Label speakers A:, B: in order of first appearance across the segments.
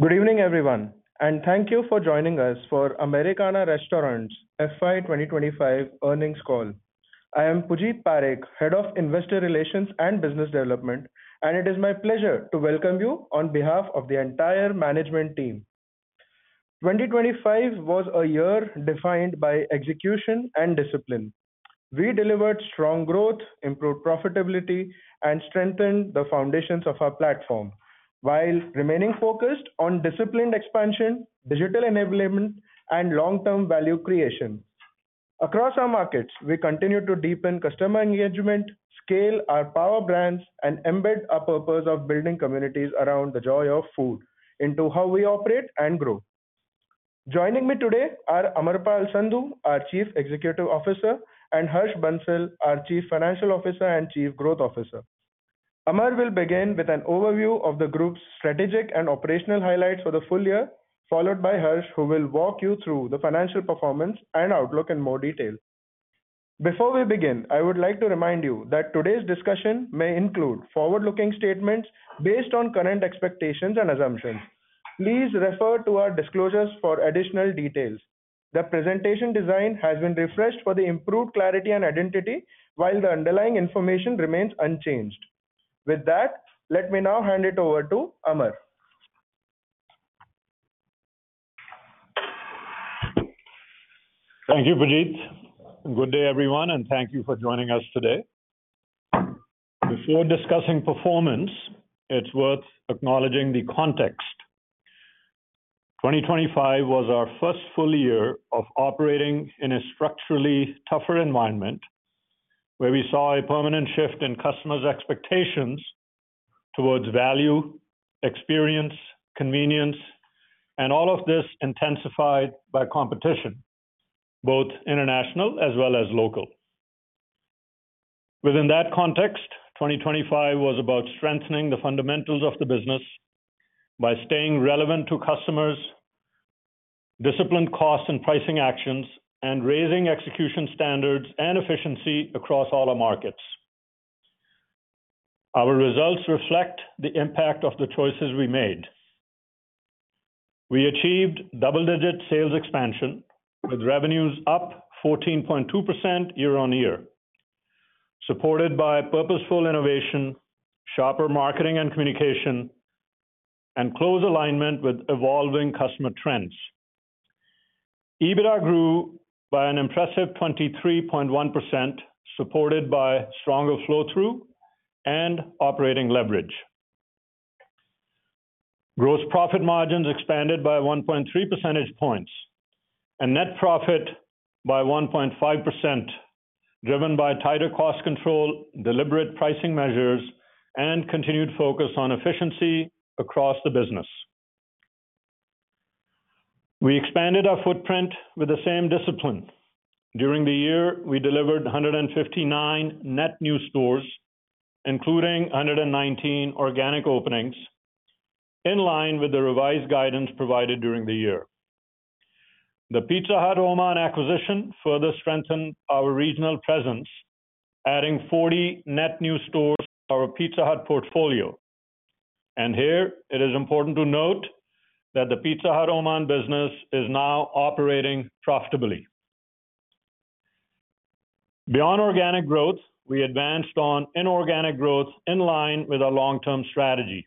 A: Good evening, everyone, and thank you for joining us for Americana Restaurants FY 2025 earnings call. I am Pujeet Parekh, Head of Investor Relations and Business Development, and it is my pleasure to welcome you on behalf of the entire management team. 2025 was a year defined by execution and discipline. We delivered strong growth, improved profitability, and strengthened the foundations of our platform, while remaining focused on disciplined expansion, digital enablement, and long-term value creation. Across our markets, we continue to deepen customer engagement, scale our power brands, and embed our purpose of building communities around the joy of food into how we operate and grow. Joining me today are Amarpal Sandhu, our Chief Executive Officer, and Harsh Bansal, our Chief Financial Officer and Chief Growth Officer. Amar will begin with an overview of the group's strategic and operational highlights for the full year, followed by Harsh, who will walk you through the financial performance and outlook in more detail. Before we begin, I would like to remind you that today's discussion may include forward-looking statements based on current expectations and assumptions. Please refer to our disclosures for additional details. The presentation design has been refreshed for the improved clarity and identity, while the underlying information remains unchanged. With that, let me now hand it over to Amar.
B: Thank you, Pujeet. Good day, everyone, and thank you for joining us today. Before discussing performance, it's worth acknowledging the context. 2025 was our first full year of operating in a structurally tougher environment, where we saw a permanent shift in customers' expectations towards value, experience, convenience, and all of this intensified by competition, both international as well as local. Within that context, 2025 was about strengthening the fundamentals of the business by staying relevant to customers, disciplined costs and pricing actions, and raising execution standards and efficiency across all our markets. Our results reflect the impact of the choices we made. We achieved double-digit sales expansion, with revenues up 14.2% year-on-year, supported by purposeful innovation, sharper marketing and communication, and close alignment with evolving customer trends. EBITDA grew by an impressive 23.1%, supported by stronger flow-through and operating leverage. Gross profit margins expanded by 1.3 percentage points, and net profit by 1.5%, driven by tighter cost control, deliberate pricing measures, and continued focus on efficiency across the business. We expanded our footprint with the same discipline. During the year, we delivered 159 net new stores, including 119 organic openings, in line with the revised guidance provided during the year. The Pizza Hut Oman acquisition further strengthened our regional presence, adding 40 net new stores to our Pizza Hut portfolio. Here, it is important to note that the Pizza Hut Oman business is now operating profitably. Beyond organic growth, we advanced on inorganic growth in line with our long-term strategy.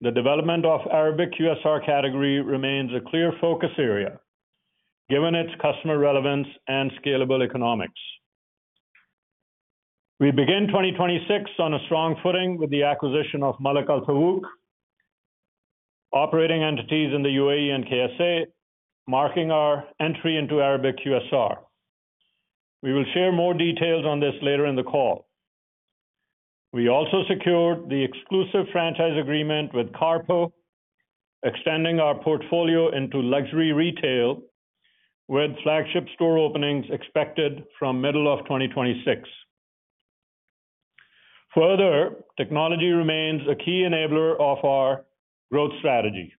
B: The development of Arabic QSR category remains a clear focus area, given its customer relevance and scalable economics. We begin 2026 on a strong footing with the acquisition of Malak Al Tawouk, operating entities in the U.A.E. and K.S.A., marking our entry into Arabic QSR. We will share more details on this later in the call. We also secured the exclusive franchise agreement with Carpo, extending our portfolio into luxury retail, with flagship store openings expected from middle of 2026. Further, technology remains a key enabler of our growth strategy.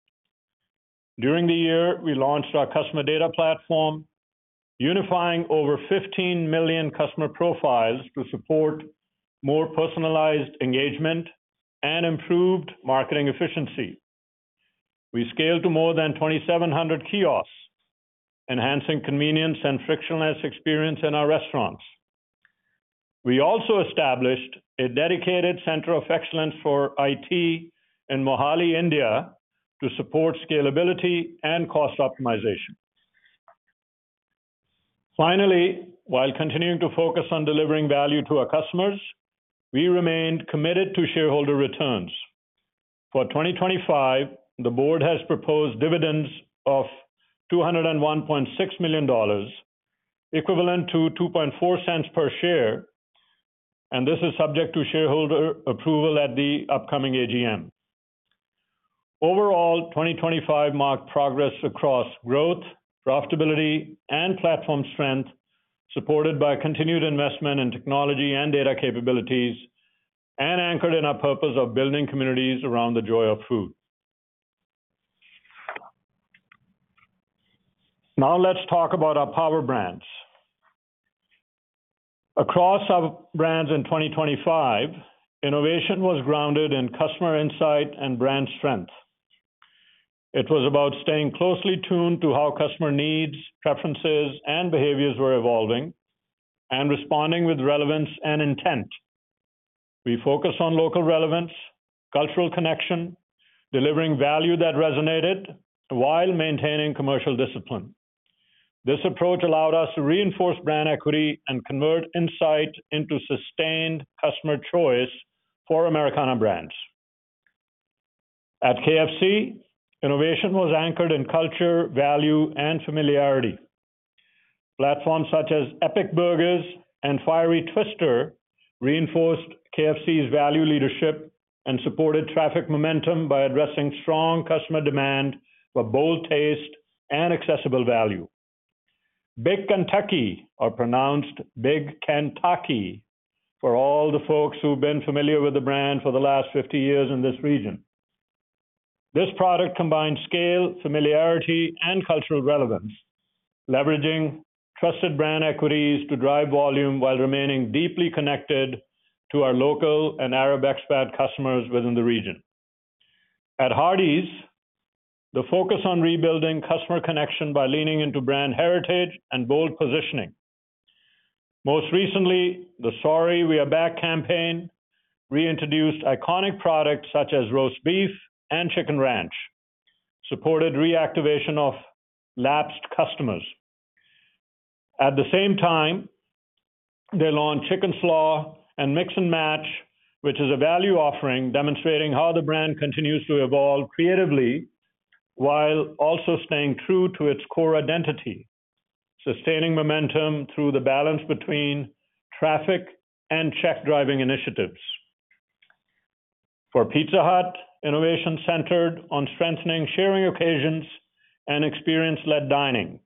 B: During the year, we launched our customer data platform, unifying over 15 million customer profiles to support more personalized engagement and improved marketing efficiency. We scaled to more than 2,700 kiosks, enhancing convenience and frictionless experience in our restaurants. We also established a dedicated center of excellence for IT in Mohali, India, to support scalability and cost optimization. Finally, while continuing to focus on delivering value to our customers, we remained committed to shareholder returns. For 2025, the board has proposed dividends of $201.6 million, equivalent to $0.024 per share, and this is subject to shareholder approval at the upcoming AGM. Overall, 2025 marked progress across growth, profitability, and platform strength, supported by continued investment in technology and data capabilities, and anchored in our purpose of building communities around the joy of food. Now let's talk about our power brands. Across our brands in 2025, innovation was grounded in customer insight and brand strength. It was about staying closely tuned to how customer needs, preferences, and behaviors were evolving, and responding with relevance and intent. We focus on local relevance, cultural connection, delivering value that resonated while maintaining commercial discipline. This approach allowed us to reinforce brand equity and convert insight into sustained customer choice for Americana brands. At KFC, innovation was anchored in culture, value, and familiarity. Platforms such as Epic Burgers and Fiery Twister reinforced KFC's value leadership and supported traffic momentum by addressing strong customer demand for bold taste and accessible value. Big Kentucky, or pronounced Big Kentucky, for all the folks who've been familiar with the brand for the last 50 years in this region. This product combines scale, familiarity, and cultural relevance, leveraging trusted brand equities to drive volume while remaining deeply connected to our local and Arab expat customers within the region. At Hardee's, the focus on rebuilding customer connection by leaning into brand heritage and bold positioning. Most recently, the Sorry We Are Back campaign reintroduced iconic products such as Roast Beef and Chicken Ranch, supported reactivation of lapsed customers. At the same time, they launched Chicken Slaw and Mix & Match, which is a value offering, demonstrating how the brand continues to evolve creatively while also staying true to its core identity, sustaining momentum through the balance between traffic and check-driving initiatives. For Pizza Hut, innovation centered on strengthening sharing occasions and experience-led dining.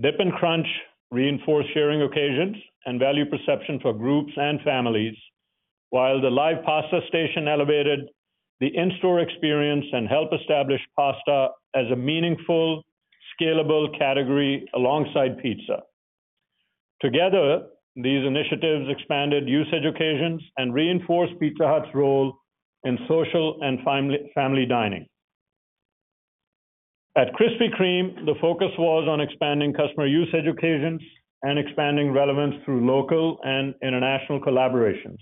B: Dip and Crunch reinforced sharing occasions and value perception for groups and families, while the Live Pasta Station elevated the in-store experience and helped establish pasta as a meaningful, scalable category alongside pizza. Together, these initiatives expanded usage occasions and reinforced Pizza Hut's role in social and family dining. At Krispy Kreme, the focus was on expanding customer usage occasions and expanding relevance through local and international collaborations.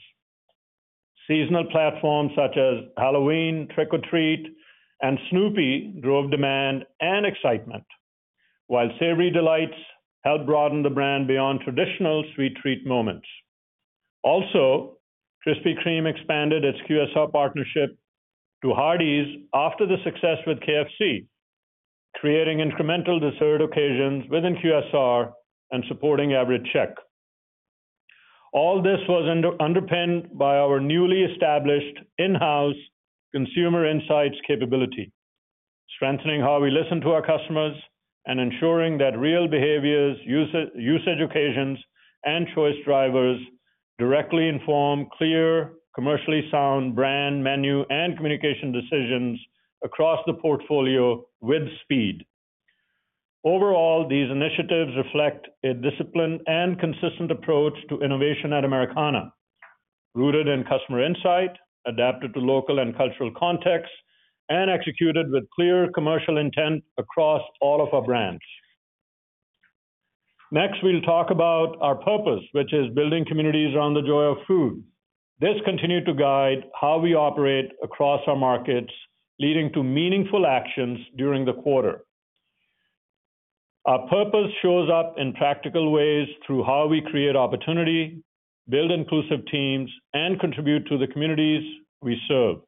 B: Seasonal platforms such as Halloween, Trick-or-Treat, and Snoopy drove demand and excitement, while Savory Delights helped broaden the brand beyond traditional sweet treat moments. Also, Krispy Kreme expanded its QSR partnership to Hardee's after the success with KFC, creating incremental dessert occasions within QSR and supporting average check. All this was underpinned by our newly established in-house consumer insights capability, strengthening how we listen to our customers and ensuring that real behaviors, usage, usage occasions, and choice drivers directly inform clear, commercially sound brand, menu, and communication decisions across the portfolio with speed. Overall, these initiatives reflect a disciplined and consistent approach to innovation at Americana, rooted in customer insight, adapted to local and cultural contexts, and executed with clear commercial intent across all of our brands. Next, we'll talk about our purpose, which is building communities around the joy of food. This continued to guide how we operate across our markets, leading to meaningful actions during the quarter. Our purpose shows up in practical ways through how we create opportunity, build inclusive teams, and contribute to the communities we serve.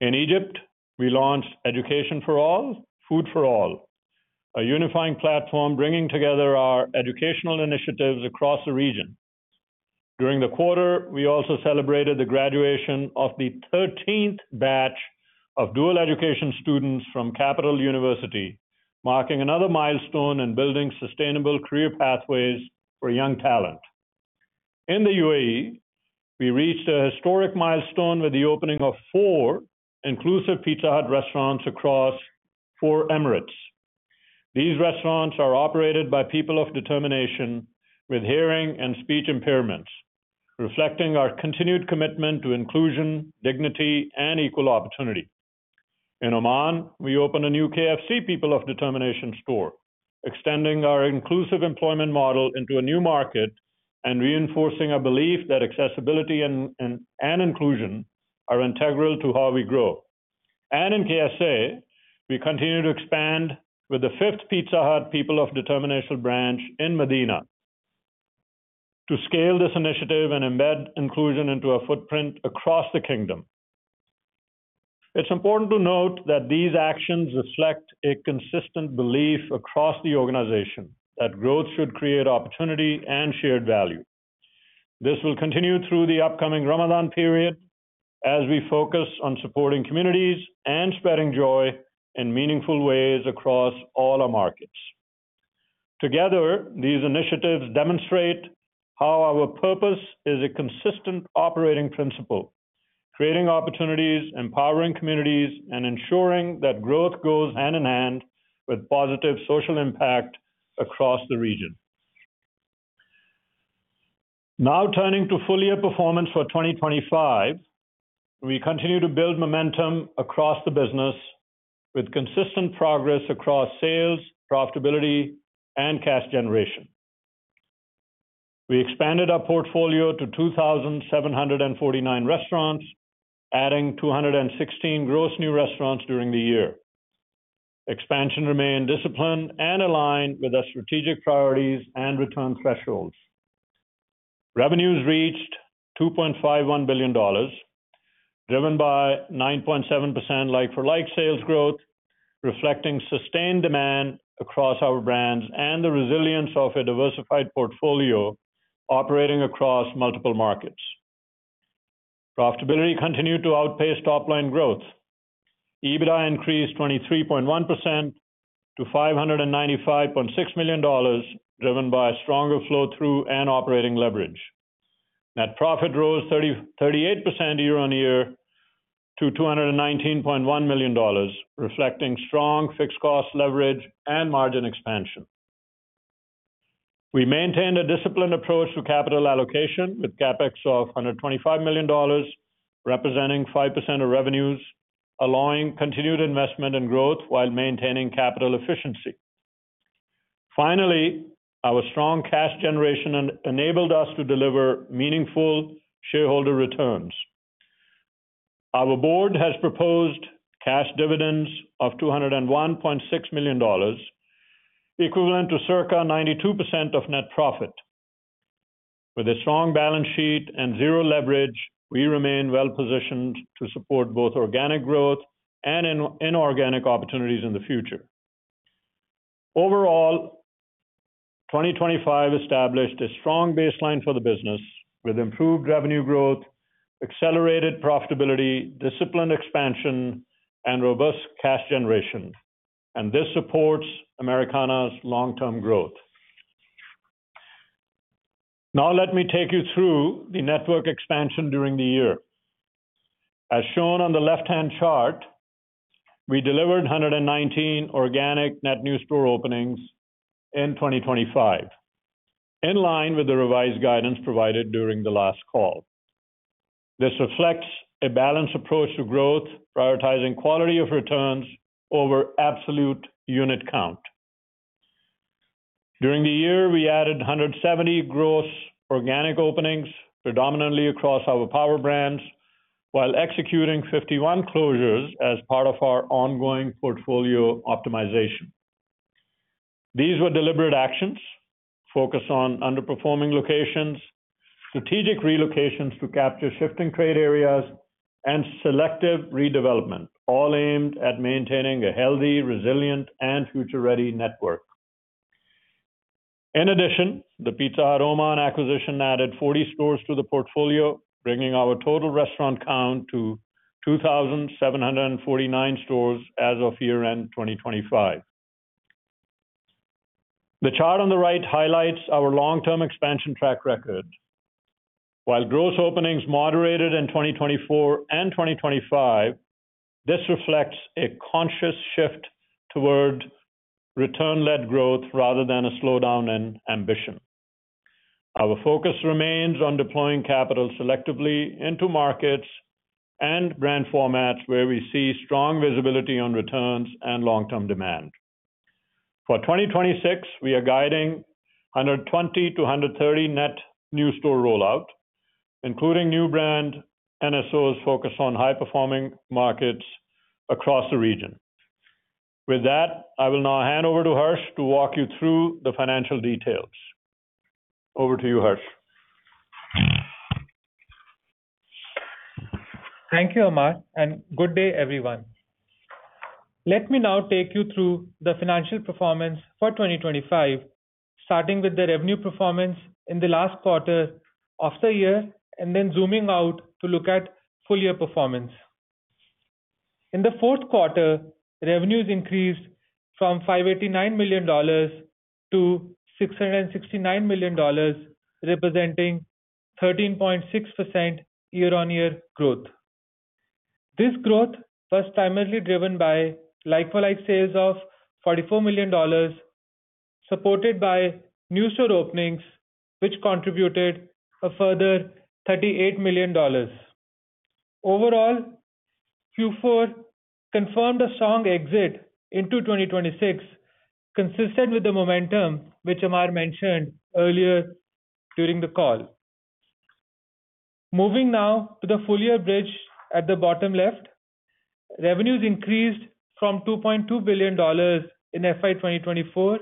B: In Egypt, we launched Education for All, Food for All, a unifying platform bringing together our educational initiatives across the region. During the quarter, we also celebrated the graduation of the thirteenth batch of dual education students from Capital University, marking another milestone in building sustainable career pathways for young talent. In the U.A.E., we reached a historic milestone with the opening of four inclusive Pizza Hut restaurants across four emirates. These restaurants are operated by people of determination with hearing and speech impairments, reflecting our continued commitment to inclusion, dignity, and equal opportunity. In Oman, we opened a new KFC People of Determination store, extending our inclusive employment model into a new market and reinforcing a belief that accessibility and inclusion are integral to how we grow. In K.S.A., we continue to expand with the fifth Pizza Hut People of Determination branch in Medina to scale this initiative and embed inclusion into a footprint across the kingdom. It's important to note that these actions reflect a consistent belief across the organization that growth should create opportunity and shared value. This will continue through the upcoming Ramadan period as we focus on supporting communities and spreading joy in meaningful ways across all our markets. Together, these initiatives demonstrate how our purpose is a consistent operating principle, creating opportunities, empowering communities, and ensuring that growth goes hand-in-hand with positive social impact across the region. Now, turning to full-year performance for 2025. We continue to build momentum across the business, with consistent progress across sales, profitability, and cash generation. We expanded our portfolio to 2,749 restaurants, adding 216 gross new restaurants during the year. Expansion remained disciplined and aligned with our strategic priorities and return thresholds. Revenues reached $2.51 billion, driven by 9.7% like-for-like sales growth, reflecting sustained demand across our brands and the resilience of a diversified portfolio operating across multiple markets. Profitability continued to outpace top line growth. EBITDA increased 23.1% to $595.6 million, driven by stronger flow-through and operating leverage. Net profit rose 38% year-on-year to $219.1 million, reflecting strong fixed cost leverage and margin expansion. We maintained a disciplined approach to capital allocation, with CapEx of $125 million, representing 5% of revenues, allowing continued investment and growth while maintaining capital efficiency. Finally, our strong cash generation enabled us to deliver meaningful shareholder returns. Our board has proposed cash dividends of $201.6 million, equivalent to circa 92% of net profit. With a strong balance sheet and zero leverage, we remain well-positioned to support both organic growth and inorganic opportunities in the future. Overall, 2025 established a strong baseline for the business, with improved revenue growth, accelerated profitability, disciplined expansion, and robust cash generation, and this supports Americana's long-term growth. Now, let me take you through the network expansion during the year. As shown on the left-hand chart, we delivered 119 organic net new store openings in 2025, in line with the revised guidance provided during the last call. This reflects a balanced approach to growth, prioritizing quality of returns over absolute unit count. During the year, we added 170 gross organic openings, predominantly across our power brands, while executing 51 closures as part of our ongoing portfolio optimization. These were deliberate actions focused on underperforming locations, strategic relocations to capture shifting trade areas, and selective redevelopment, all aimed at maintaining a healthy, resilient, and future-ready network. In addition, the Pizza Aroma acquisition added 40 stores to the portfolio, bringing our total restaurant count to 2,749 stores as of year-end 2025. The chart on the right highlights our long-term expansion track record. While gross openings moderated in 2024 and 2025, this reflects a conscious shift toward return-led growth rather than a slowdown in ambition. Our focus remains on deploying capital selectively into markets and brand formats where we see strong visibility on returns and long-term demand. For 2026, we are guiding 120-130 net new store rollout, including new brand NSOs focused on high-performing markets across the region. With that, I will now hand over to Harsh to walk you through the financial details. Over to you, Harsh.
C: Thank you, Amar, and good day, everyone. Let me now take you through the financial performance for 2025, starting with the revenue performance in the last quarter of the year, and then zooming out to look at full-year performance. In the fourth quarter, revenues increased from $589 million to $669 million, representing 13.6% year-on-year growth. This growth was primarily driven by like-for-like sales of $44 million, supported by new store openings, which contributed a further $38 million. Overall, Q4 confirmed a strong exit into 2026, consistent with the momentum which Amar mentioned earlier during the call. Moving now to the full-year bridge at the bottom left, revenues increased from $2.2 billion in FY 2024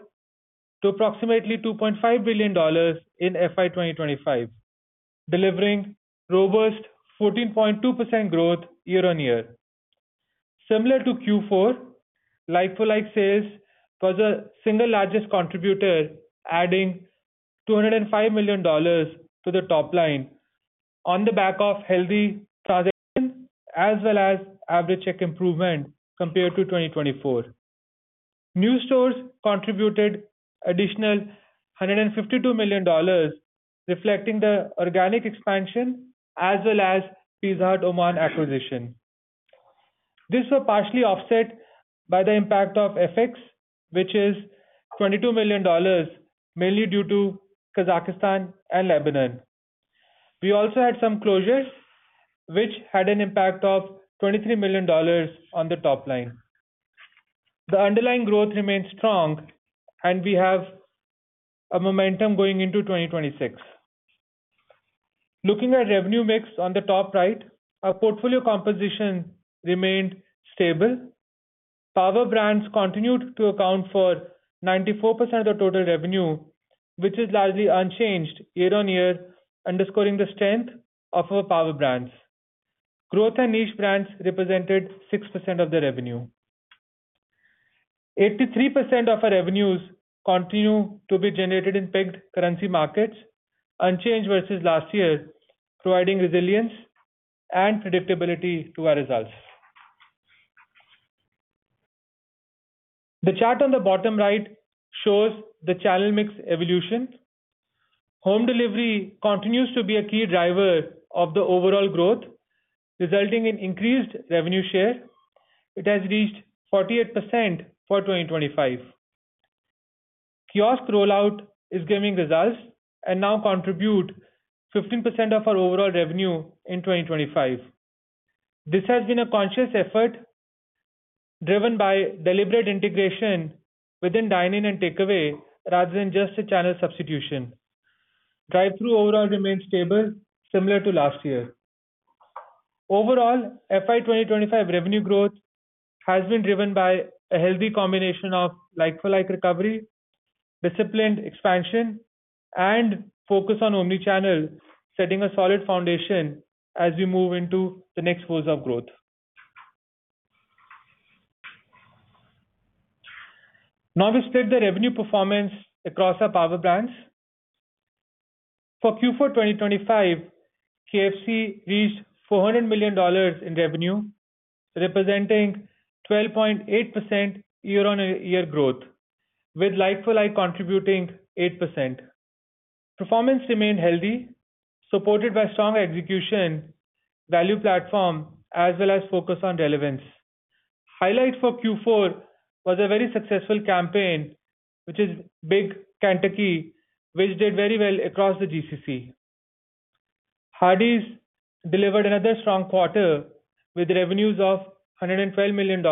C: to approximately $2.5 billion in FY 2025, delivering robust 14.2% year-on-year growth. Similar to Q4, like-for-like sales was the single largest contributor, adding $205 million to the top line on the back of healthy traffic as well as average check improvement compared to 2024. New stores contributed additional $152 million, reflecting the organic expansion as well as Pizza Hut Oman acquisition. These were partially offset by the impact of FX, which is $22 million, mainly due to Kazakhstan and Lebanon. We also had some closures, which had an impact of $23 million on the top line. The underlying growth remains strong, and we have a momentum going into 2026. Looking at revenue mix on the top right, our portfolio composition remained stable. Power Brands continued to account for 94% of total revenue, which is largely unchanged year-on-year, underscoring the strength of our Power Brands. Growth and Niche Brands represented 6% of the revenue. 83% of our revenues continue to be generated in pegged currency markets, unchanged versus last year, providing resilience and predictability to our results. The chart on the bottom right shows the channel mix evolution. Home delivery continues to be a key driver of the overall growth, resulting in increased revenue share. It has reached 48% for 2025. Kiosk rollout is giving results and now contribute 15% of our overall revenue in 2025. This has been a conscious effort, driven by deliberate integration within dine-in and takeaway, rather than just a channel substitution. Drive-thru overall remains stable, similar to last year. Overall, FY 2025 revenue growth has been driven by a healthy combination of like-for-like recovery, disciplined expansion, and focus on omni-channel, setting a solid foundation as we move into the next phase of growth. Now we split the revenue performance across our Power Brands. For Q4 2025, KFC reached $400 million in revenue, representing 12.8% year-on-year growth, with like-for-like contributing 8%. Performance remained healthy, supported by strong execution, value platform, as well as focus on relevance. Highlight for Q4 was a very successful campaign, which is Big Kentucky, which did very well across the GCC. Hardee's delivered another strong quarter, with revenues of $112 million,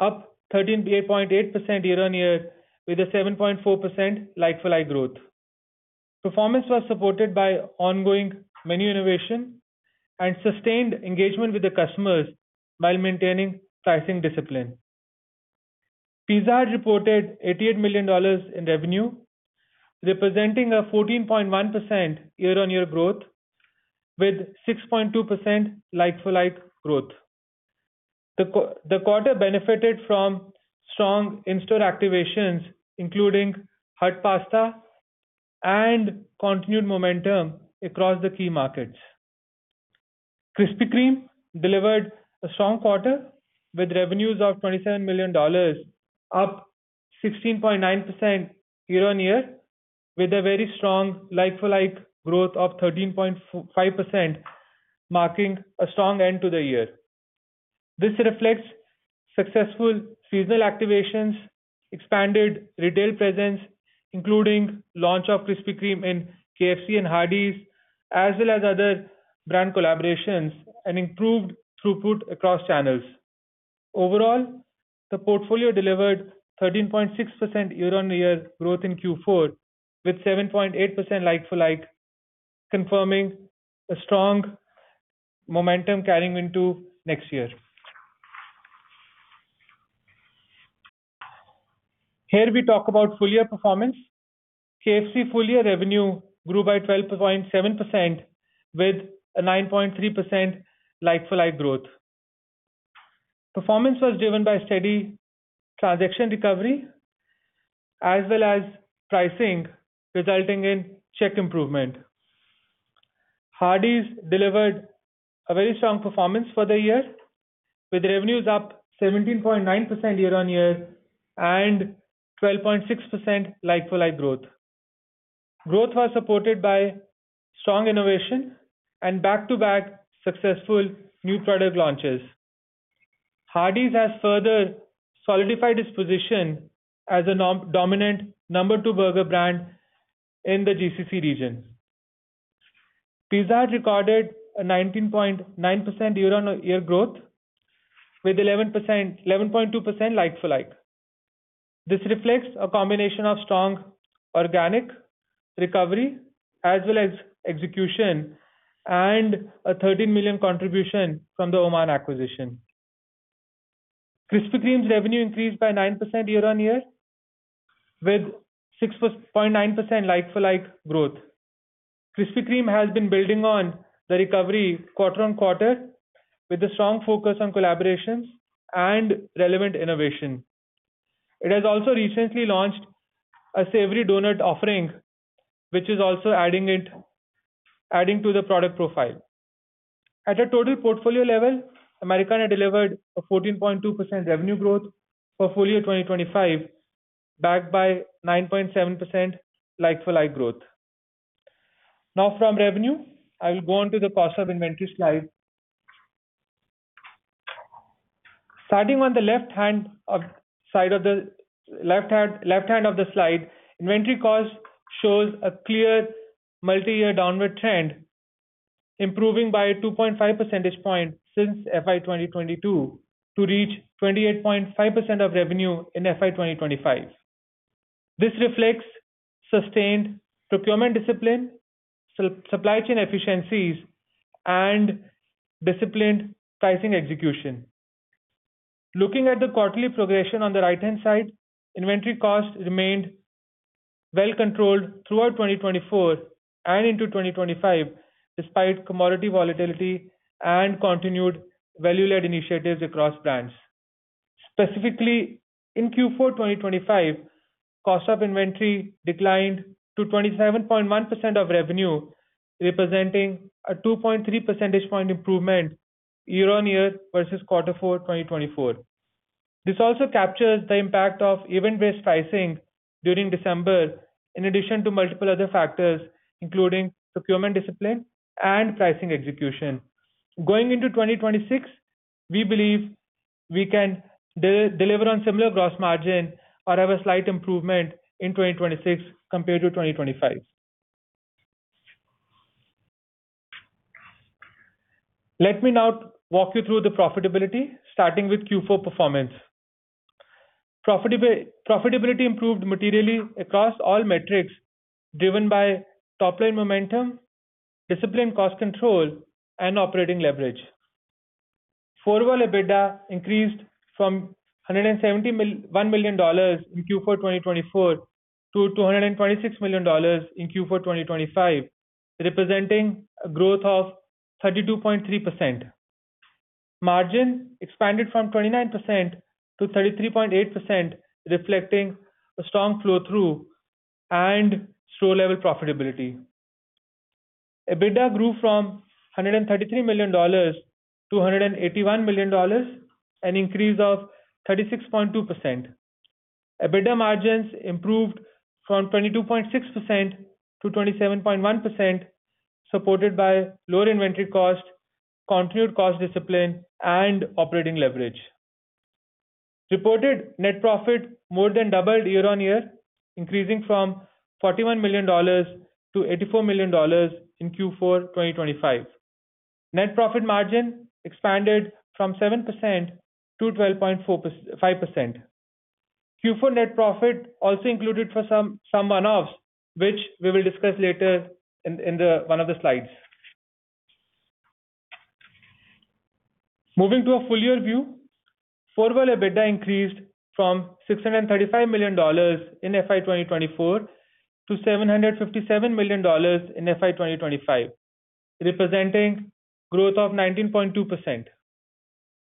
C: up 13.8% year-on-year, with a 7.4% like-for-like growth. Performance was supported by ongoing menu innovation and sustained engagement with the customers while maintaining pricing discipline. Pizza Hut reported $88 million in revenue, representing a 14.1% year-on-year growth with 6.2% like-for-like growth. The quarter benefited from strong in-store activations, including Hut Pasta and continued momentum across the key markets. Krispy Kreme delivered a strong quarter, with revenues of $27 million, up 16.9% year-on-year, with a very strong like-for-like growth of 13.5%, marking a strong end to the year. This reflects successful seasonal activations, expanded retail presence, including launch of Krispy Kreme in KFC and Hardee's, as well as other brand collaborations and improved throughput across channels. Overall, the portfolio delivered 13.6% year-on-year growth in Q4, with 7.8% like-for-like, confirming a strong momentum carrying into next year. Here we talk about full year performance. KFC full year revenue grew by 12.7% with a 9.3% like-for-like growth. Performance was driven by steady transaction recovery as well as pricing, resulting in check improvement. Hardee's delivered a very strong performance for the year, with revenues up 17.9% year-over-year and 12.6% like-for-like growth. Growth was supported by strong innovation and back-to-back successful new product launches. Hardee's has further solidified its position as a non-dominant number two burger brand in the GCC region. Pizza Hut recorded a 19.9% year-over-year growth with 11%-11.2% like-for-like. This reflects a combination of strong organic recovery as well as execution, and a $13 million contribution from the Oman acquisition. Krispy Kreme's revenue increased by 9% year-over-year, with 6.9% like-for-like growth. Krispy Kreme has been building on the recovery quarter-on-quarter, with a strong focus on collaborations and relevant innovation. It has also recently launched a savory donut offering, which is also adding to the product profile. At a total portfolio level, Americana had delivered a 14.2% revenue growth for full year 2025, backed by 9.7% like-for-like growth. Now from revenue, I will go on to the cost of inventory slide. Starting on the left-hand side of the slide, inventory cost shows a clear multi-year downward trend, improving by 2.5 percentage points since FY 2022, to reach 28.5% of revenue in FY 2025. This reflects sustained procurement discipline, supply chain efficiencies, and disciplined pricing execution. Looking at the quarterly progression on the right-hand side, inventory costs remained well controlled throughout 2024 and into 2025, despite commodity volatility and continued value-led initiatives across brands. Specifically, in Q4 2025, cost of inventory declined to 27.1% of revenue, representing a 2.3 percentage point improvement year-on-year versus Q4 2024. This also captures the impact of event-based pricing during December, in addition to multiple other factors, including procurement discipline and pricing execution. Going into 2026, we believe we can deliver on similar gross margin or have a slight improvement in 2026 compared to 2025. Let me now walk you through the profitability, starting with Q4 performance. Profitability improved materially across all metrics, driven by top line momentum, disciplined cost control, and operating leverage. Full-year EBITDA increased from $170 million in Q4 2024 to $226 million in Q4 2025, representing a growth of 32.3%. Margin expanded from 29% to 33.8%, reflecting a strong flow-through and store-level profitability. EBITDA grew from $133 million to $181 million, an increase of 36.2%. EBITDA margins improved from 22.6% to 27.1%, supported by lower inventory costs, continued cost discipline, and operating leverage. Reported net profit more than doubled year-on-year, increasing from $41 million to $84 million in Q4 2025. Net profit margin expanded from 7% to 12.45%. Q4 net profit also included some one-offs, which we will discuss later in one of the slides. Moving to a full year view, full year EBITDA increased from $635 million in FY 2024 to $757 million in FY 2025, representing growth of 19.2%.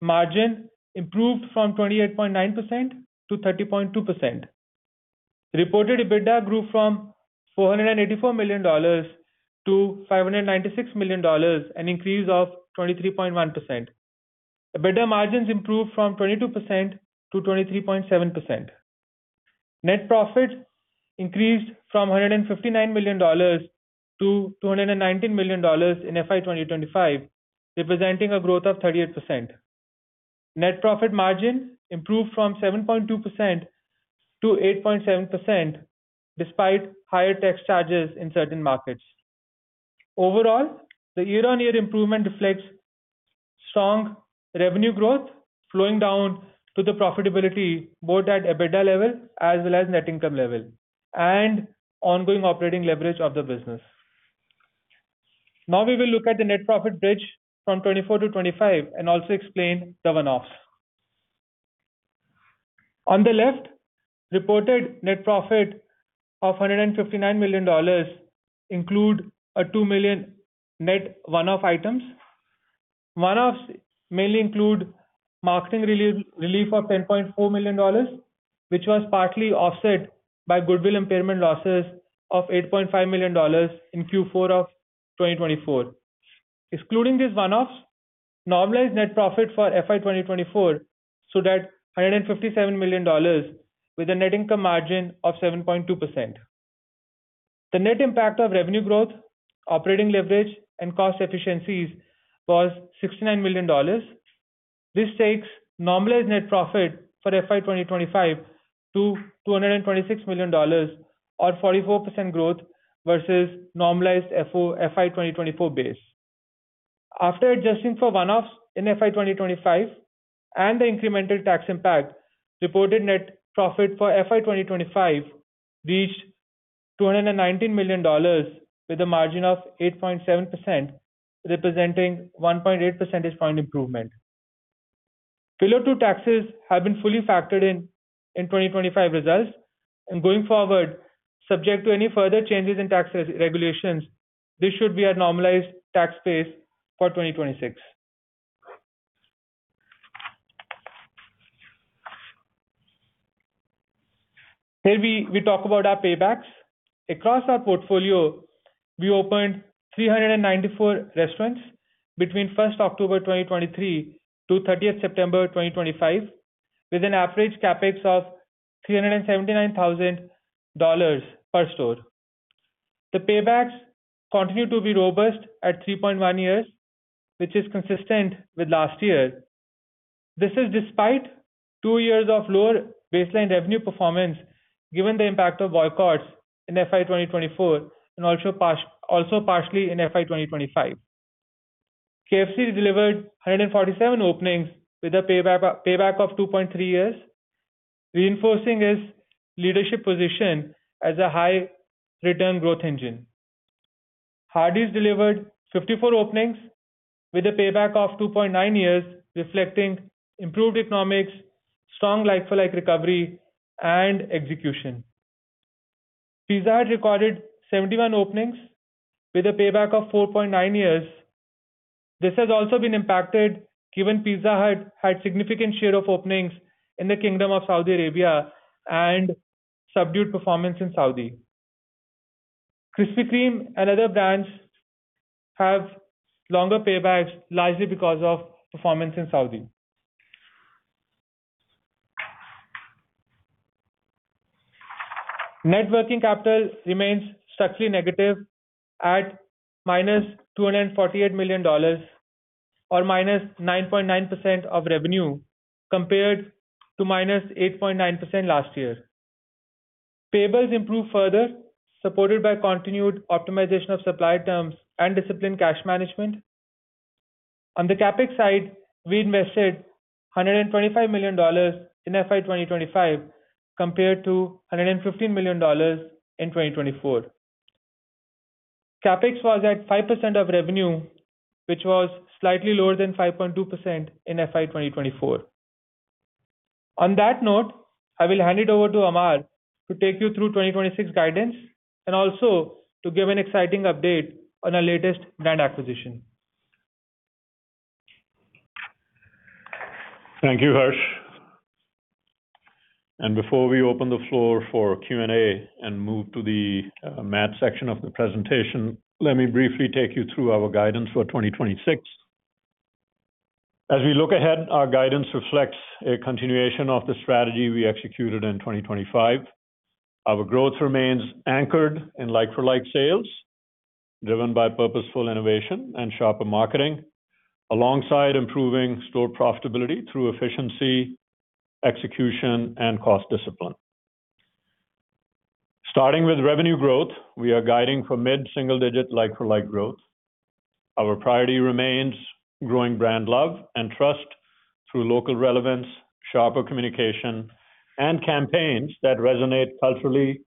C: Margin improved from 28.9% to 30.2%. Reported EBITDA grew from $484 million to $596 million, an increase of 23.1%. EBITDA margins improved from 22% to 23.7%. Net profit increased from $159 million to $219 million in FY 2025, representing a growth of 38%. Net profit margin improved from 7.2% to 8.7%, despite higher tax charges in certain markets. Overall, the year-on-year improvement reflects strong revenue growth flowing down to the profitability, both at EBITDA level as well as net income level, and ongoing operating leverage of the business. Now we will look at the net profit bridge from 2024 to 2025 and also explain the one-offs. On the left, reported net profit of $159 million dollars include a $2 million net one-off items. One-offs mainly include marketing relief of $10.4 million dollars, which was partly offset by goodwill impairment losses of $8.5 million dollars in Q4 of 2024. Excluding these one-offs, normalized net profit for FY 2024 stood at $157 million dollars, with a net income margin of 7.2%. The net impact of revenue growth, operating leverage, and cost efficiencies was $69 million dollars. This takes normalized net profit for FY 2025 to $226 million or 44% growth versus normalized FY 2024 base. After adjusting for one-offs in FY 2025 and the incremental tax impact, reported net profit for FY 2025 reached $219 million, with a margin of 8.7%, representing 1.8 percentage point improvement. Pillar Two taxes have been fully factored in, in 2025 results, and going forward, subject to any further changes in tax regulations, this should be a normalized tax base for 2026. Here we talk about our paybacks. Across our portfolio, we opened 394 restaurants between 1st October 2023 to 30th September 2025, with an average CapEx of $379,000 per store. The paybacks continue to be robust at 3.1 years, which is consistent with last year. This is despite two years of lower baseline revenue performance, given the impact of boycotts in FY 2024 and also partially in FY 2025. KFC delivered 147 openings with a payback of 2.3 years, reinforcing its leadership position as a high return growth engine. Hardee's delivered 54 openings with a payback of 2.9 years, reflecting improved economics, strong like-for-like recovery and execution. Pizza Hut recorded 71 openings with a payback of 4.9 years. This has also been impacted, given Pizza Hut had significant share of openings in the Kingdom of Saudi Arabia and subdued performance in Saudi. Krispy Kreme and other brands have longer paybacks, largely because of performance in Saudi. Net working capital remains slightly negative at -$248 million, or -9.9% of revenue, compared to -8.9% last year. Payables improved further, supported by continued optimization of supply terms and disciplined cash management. On the CapEx side, we invested $125 million in FY 2025, compared to $115 million in 2024. CapEx was at 5% of revenue, which was slightly lower than 5.2% in FY 2024. On that note, I will hand it over to Amar to take you through 2026 guidance and also to give an exciting update on our latest brand acquisition.
B: Thank you, Harsh. Before we open the floor for Q&A and move to the math section of the presentation, let me briefly take you through our guidance for 2026. As we look ahead, our guidance reflects a continuation of the strategy we executed in 2025. Our growth remains anchored in like-for-like sales, driven by purposeful innovation and sharper marketing, alongside improving store profitability through efficiency, execution, and cost discipline. Starting with revenue growth, we are guiding for mid-single-digit like-for-like growth. Our priority remains growing brand love and trust through local relevance, sharper communication, and campaigns that resonate culturally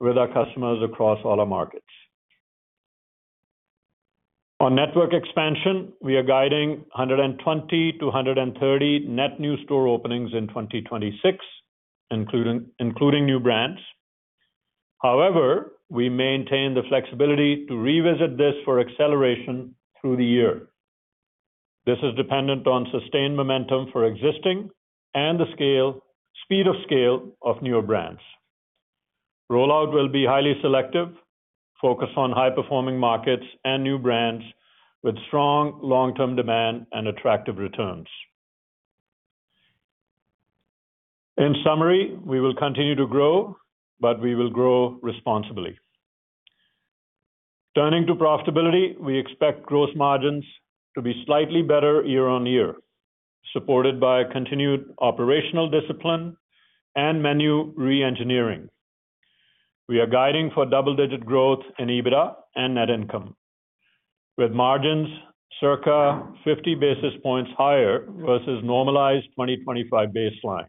B: with our customers across all our markets. On network expansion, we are guiding 120-130 net new store openings in 2026, including new brands. However, we maintain the flexibility to revisit this for acceleration through the year. This is dependent on sustained momentum for existing and the scale - speed of scale of newer brands. Rollout will be highly selective, focused on high-performing markets and new brands with strong long-term demand and attractive returns. In summary, we will continue to grow, but we will grow responsibly. Turning to profitability, we expect growth margins to be slightly better year-on-year, supported by a continued operational discipline and menu re-engineering. We are guiding for double-digit growth in EBITDA and net income, with margins circa 50 basis points higher versus normalized 2025 baseline.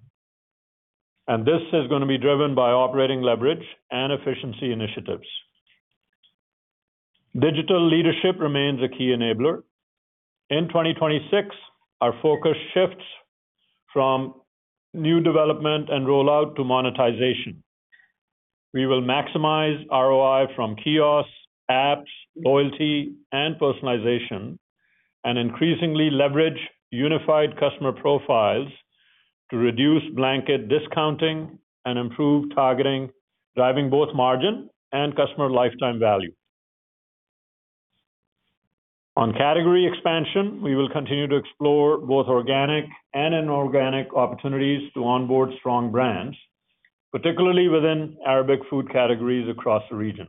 B: This is going to be driven by operating leverage and efficiency initiatives. Digital leadership remains a key enabler. In 2026, our focus shifts from new development and rollout to monetization. We will maximize ROI from kiosks, apps, loyalty, and personalization, and increasingly leverage unified customer profiles to reduce blanket discounting and improve targeting, driving both margin and customer lifetime value. On category expansion, we will continue to explore both organic and inorganic opportunities to onboard strong brands, particularly within Arabic food categories across the region.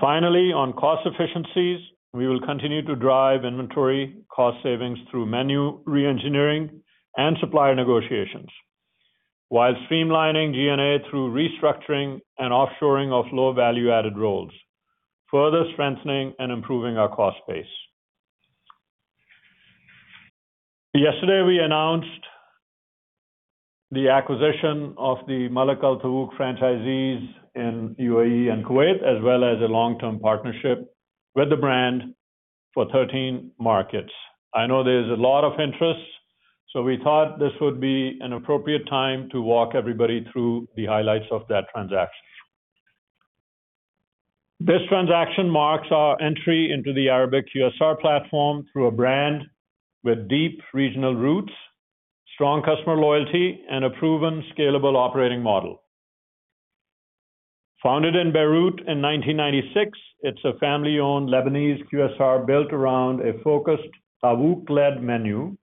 B: Finally, on cost efficiencies, we will continue to drive inventory cost savings through menu re-engineering and supplier negotiations, while streamlining G&A through restructuring and offshoring of low-value-added roles, further strengthening and improving our cost base. Yesterday, we announced the acquisition of the Malak Al Tawouk franchisees in U.A.E. and Kuwait, as well as a long-term partnership with the brand for 13 markets. I know there's a lot of interest, so we thought this would be an appropriate time to walk everybody through the highlights of that transaction. This transaction marks our entry into the Arabic QSR platform through a brand with deep regional roots, strong customer loyalty, and a proven scalable operating model. Founded in Beirut in 1996, it's a family-owned Lebanese QSR built around a focused Tawouk-led menu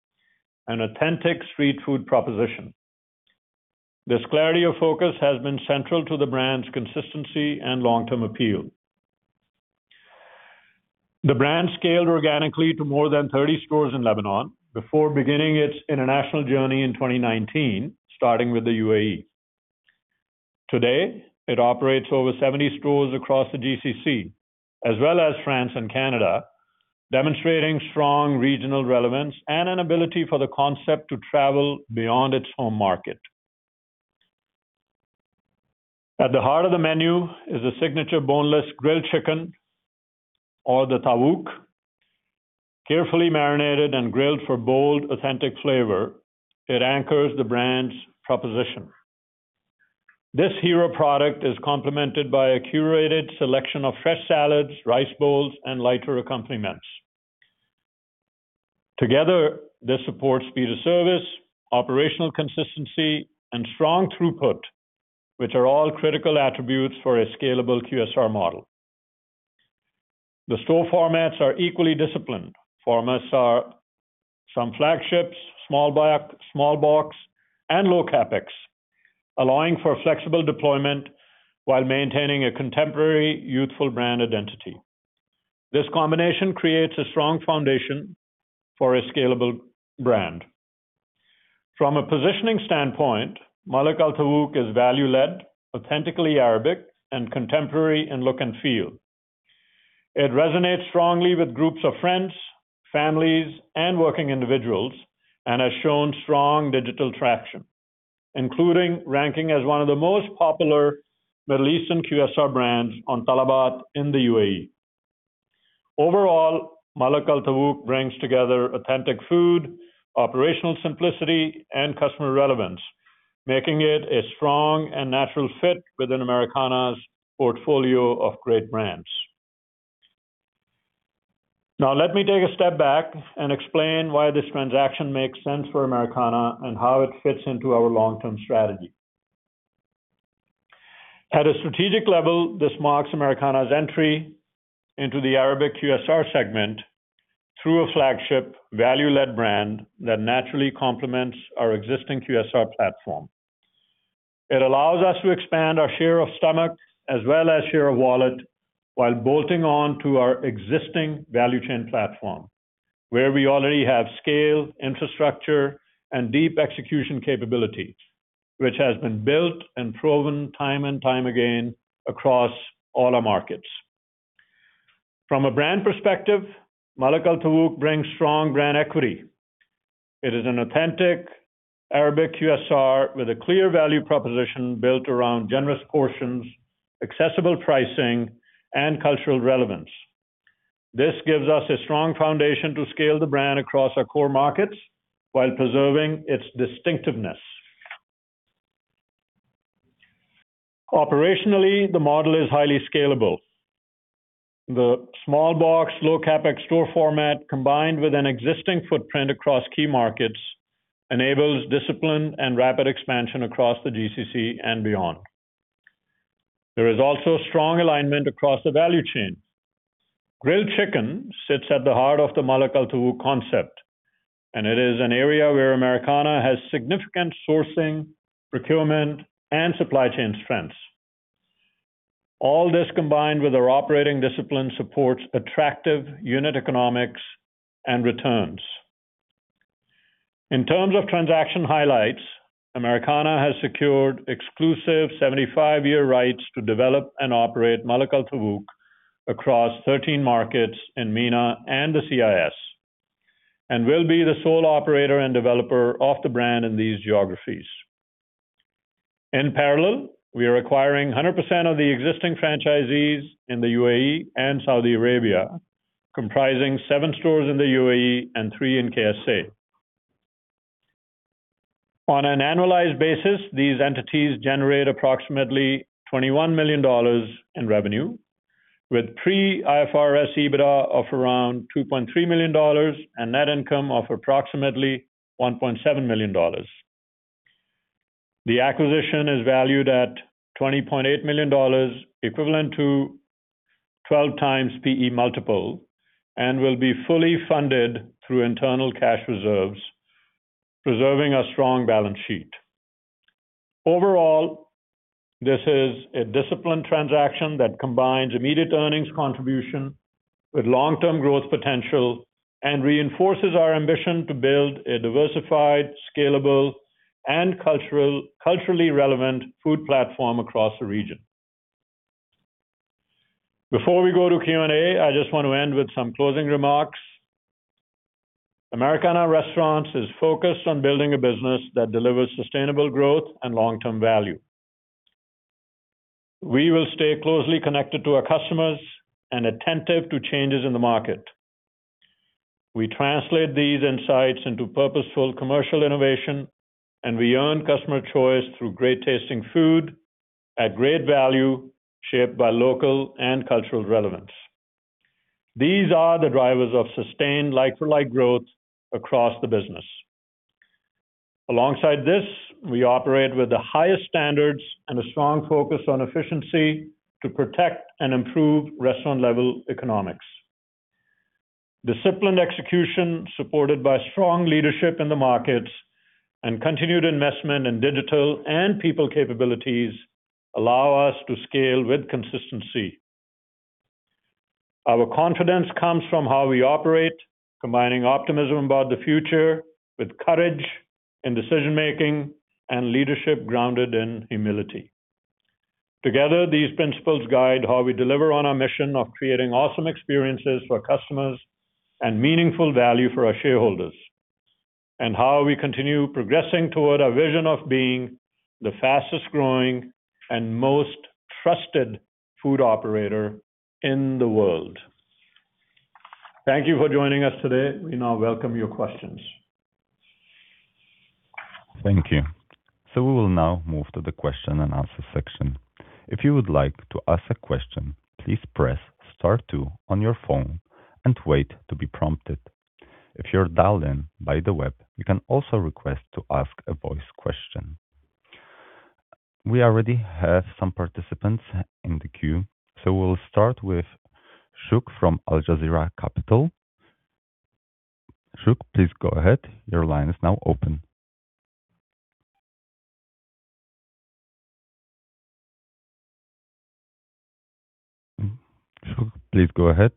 B: and authentic street food proposition. This clarity of focus has been central to the brand's consistency and long-term appeal. The brand scaled organically to more than 30 stores in Lebanon before beginning its international journey in 2019, starting with the U.A.E. Today, it operates over 70 stores across the GCC, as well as France and Canada, demonstrating strong regional relevance and an ability for the concept to travel beyond its home market. At the heart of the menu is a signature boneless grilled chicken or the Tawouk, carefully marinated and grilled for bold, authentic flavor. It anchors the brand's proposition. This hero product is complemented by a curated selection of fresh salads, rice bowls, and lighter accompaniments. Together, this supports speed of service, operational consistency, and strong throughput, which are all critical attributes for a scalable QSR model. The store formats are equally disciplined. Formats are some flagships, small box, and low CapEx, allowing for flexible deployment while maintaining a contemporary, youthful brand identity. This combination creates a strong foundation for a scalable brand. From a positioning standpoint, Malak Al Tawouk is value-led, authentically Arabic, and contemporary in look and feel. It resonates strongly with groups of friends, families, and working individuals, and has shown strong digital traction, including ranking as one of the most popular Middle Eastern QSR brands on Talabat in the UAE. Overall, Malak Al Tawouk brings together authentic food, operational simplicity, and customer relevance, making it a strong and natural fit within Americana's portfolio of great brands. Now, let me take a step back and explain why this transaction makes sense for Americana and how it fits into our long-term strategy. At a strategic level, this marks Americana's entry into the Arabic QSR segment through a flagship, value-led brand that naturally complements our existing QSR platform. It allows us to expand our share of stomach as well as share of wallet, while bolting on to our existing value chain platform, where we already have scale, infrastructure, and deep execution capabilities, which has been built and proven time and time again across all our markets. From a brand perspective, Malak Al Tawouk brings strong brand equity. It is an authentic Arabic QSR with a clear value proposition built around generous portions, accessible pricing, and cultural relevance. This gives us a strong foundation to scale the brand across our core markets while preserving its distinctiveness. Operationally, the model is highly scalable. The small box, low CapEx store format, combined with an existing footprint across key markets, enables discipline and rapid expansion across the GCC and beyond. There is also strong alignment across the value chain. Grilled chicken sits at the heart of the Malak Al Tawouk concept, and it is an area where Americana has significant sourcing, procurement, and supply chain strengths. All this, combined with our operating discipline, supports attractive unit economics and returns. In terms of transaction highlights, Americana has secured exclusive 75-year rights to develop and operate Malak Al Tawouk across 13 markets in MENA and the CIS, and will be the sole operator and developer of the brand in these geographies. In parallel, we are acquiring 100% of the existing franchisees in the U.A.E. and Saudi Arabia, comprising seven stores in the U.A.E. and three in K.S.A. On an annualized basis, these entities generate approximately $21 million in revenue, with pre-IFRS EBITDA of around $2.3 million and net income of approximately $1.7 million. The acquisition is valued at $20.8 million, equivalent to 12x P/E multiple, and will be fully funded through internal cash reserves, preserving a strong balance sheet. Overall, this is a disciplined transaction that combines immediate earnings contribution with long-term growth potential and reinforces our ambition to build a diversified, scalable, and culturally relevant food platform across the region. Before we go to Q&A, I just want to end with some closing remarks. Americana Restaurants is focused on building a business that delivers sustainable growth and long-term value. We will stay closely connected to our customers and attentive to changes in the market. We translate these insights into purposeful commercial innovation, and we earn customer choice through great tasting food at great value, shaped by local and cultural relevance. These are the drivers of sustained like-for-like growth across the business. Alongside this, we operate with the highest standards and a strong focus on efficiency to protect and improve restaurant-level economics. Disciplined execution, supported by strong leadership in the markets and continued investment in digital and people capabilities, allow us to scale with consistency. Our confidence comes from how we operate, combining optimism about the future with courage in decision-making and leadership grounded in humility. Together, these principles guide how we deliver on our mission of creating awesome experiences for customers and meaningful value for our shareholders, and how we continue progressing toward our vision of being the fastest growing and most trusted food operator in the world. Thank you for joining us today. We now welcome your questions.
D: Thank you. So we will now move to the question and answer section. If you would like to ask a question, please press star two on your phone and wait to be prompted. If you're dialed in by the web, you can also request to ask a voice question. We already have some participants in the queue, so we'll start with [Shrouk] from AlJazira Capital. [Shrouk], please go ahead. Your line is now open. [Shrouk], please go ahead.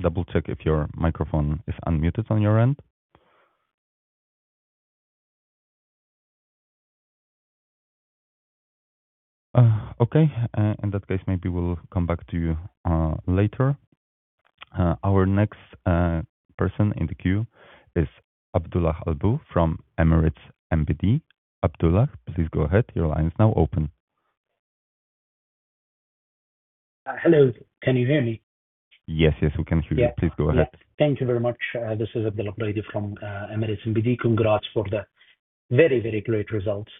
D: Double-check if your microphone is unmuted on your end. Okay, in that case, maybe we'll come back to you later. Our next person in the queue is [Abdulla Al-Bu] from Emirates NBD. Abdulla, please go ahead. Your line is now open.
E: Hello, can you hear me?
D: Yes, yes, we can hear you.
E: Yeah.
D: Please go ahead.
E: Thank you very much. This is [Abdulla Al-Buraiki] from Emirates NBD. Congrats for the very, very great results.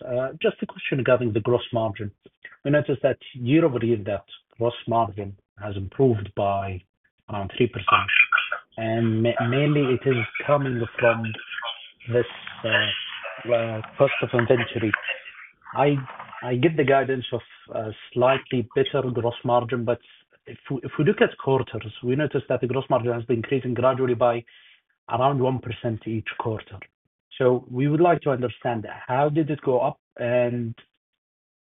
E: Just a question regarding the gross margin. We noticed that year-over-year, that gross margin has improved by 3%, and mainly it is coming from this first of inventory. I get the guidance of slightly better gross margin, but if we look at quarters, we notice that the gross margin has been increasing gradually by around 1% each quarter. So we would like to understand, how did it go up? And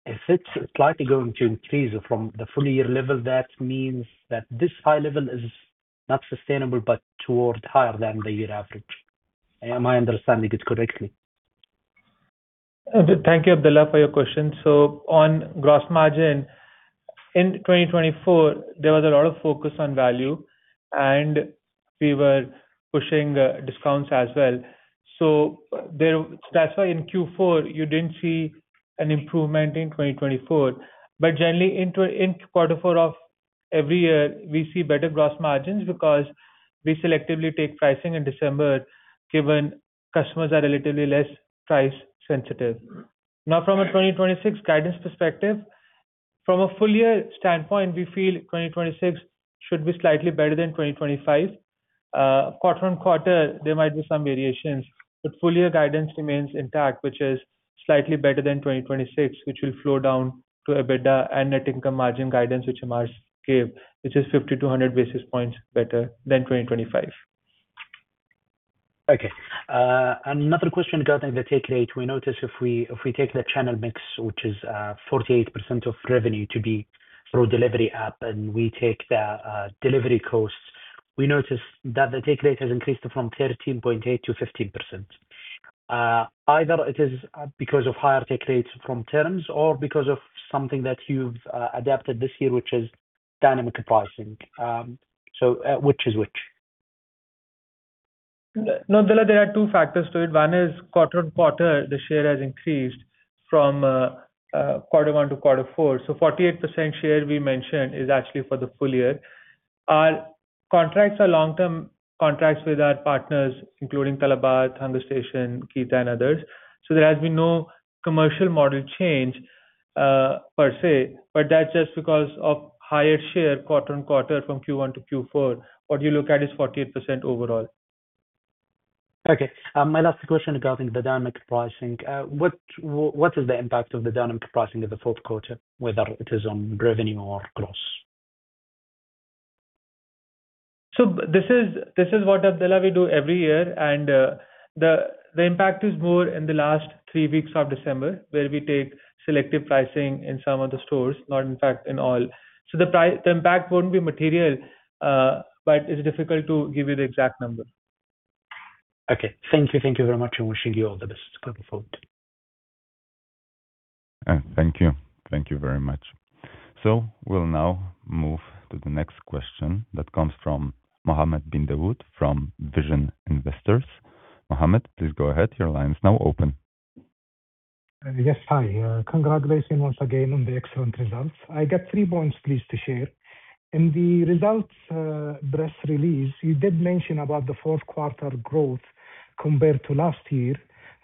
E: if it's slightly going to increase from the full year level, that means that this high level is not sustainable, but toward higher than the year average. Am I understanding it correctly?
C: Thank you, Abdulla, for your question. So on gross margin, in 2024, there was a lot of focus on value, and we were pushing discounts as well. So that's why in Q4, you didn't see an improvement in 2024. But generally, in quarter four of every year, we see better gross margins because we selectively take pricing in December, given customers are relatively less price sensitive. Now, from a 2026 guidance perspective, from a full year standpoint, we feel 2026 should be slightly better than 2025. Quarter-on-quarter, there might be some variations, but full year guidance remains intact, which is slightly better than 2026, which will flow down to EBITDA and net income margin guidance, which Amar gave, which is 50-100 basis points better than 2025.
E: Okay. Another question regarding the take rate. We noticed if we, if we take the channel mix, which is 48% of revenue to be through delivery app, and we take the delivery costs, we notice that the take rate has increased from 13.8% to 15%. Either it is because of higher take rates from terms or because of something that you've adapted this year, which is dynamic pricing. So, which is which?
C: No, Abdulla, there are two factors to it. One is quarter-on-quarter, the share has increased from quarter one to quarter four. So 48% share we mentioned is actually for the full year. Our contracts are long-term contracts with our partners, including Talabat, HungerStation, Keeta, and others. So there has been no commercial model change, per se, but that's just because of higher share quarter-on-quarter from Q1 to Q4. What you look at is 48% overall.
E: Okay. My last question regarding the dynamic pricing. What is the impact of the dynamic pricing of the fourth quarter, whether it is on revenue or gross?
C: So this is what, Abdulla, we do every year, and the impact is more in the last three weeks of December, where we take selective pricing in some of the stores, not in fact in all. So the impact won't be material, but it's difficult to give you the exact number.
E: Okay. Thank you. Thank you very much, and wishing you all the best going forward.
D: Thank you. Thank you very much. We'll now move to the next question that comes from Mohammed Bin Dawood from Investor's Vision. Mohammed, please go ahead. Your line is now open.
F: Yes, hi. Congratulations once again on the excellent results. I got three points please to share. In the results press release, you did mention about the fourth quarter growth compared to last year,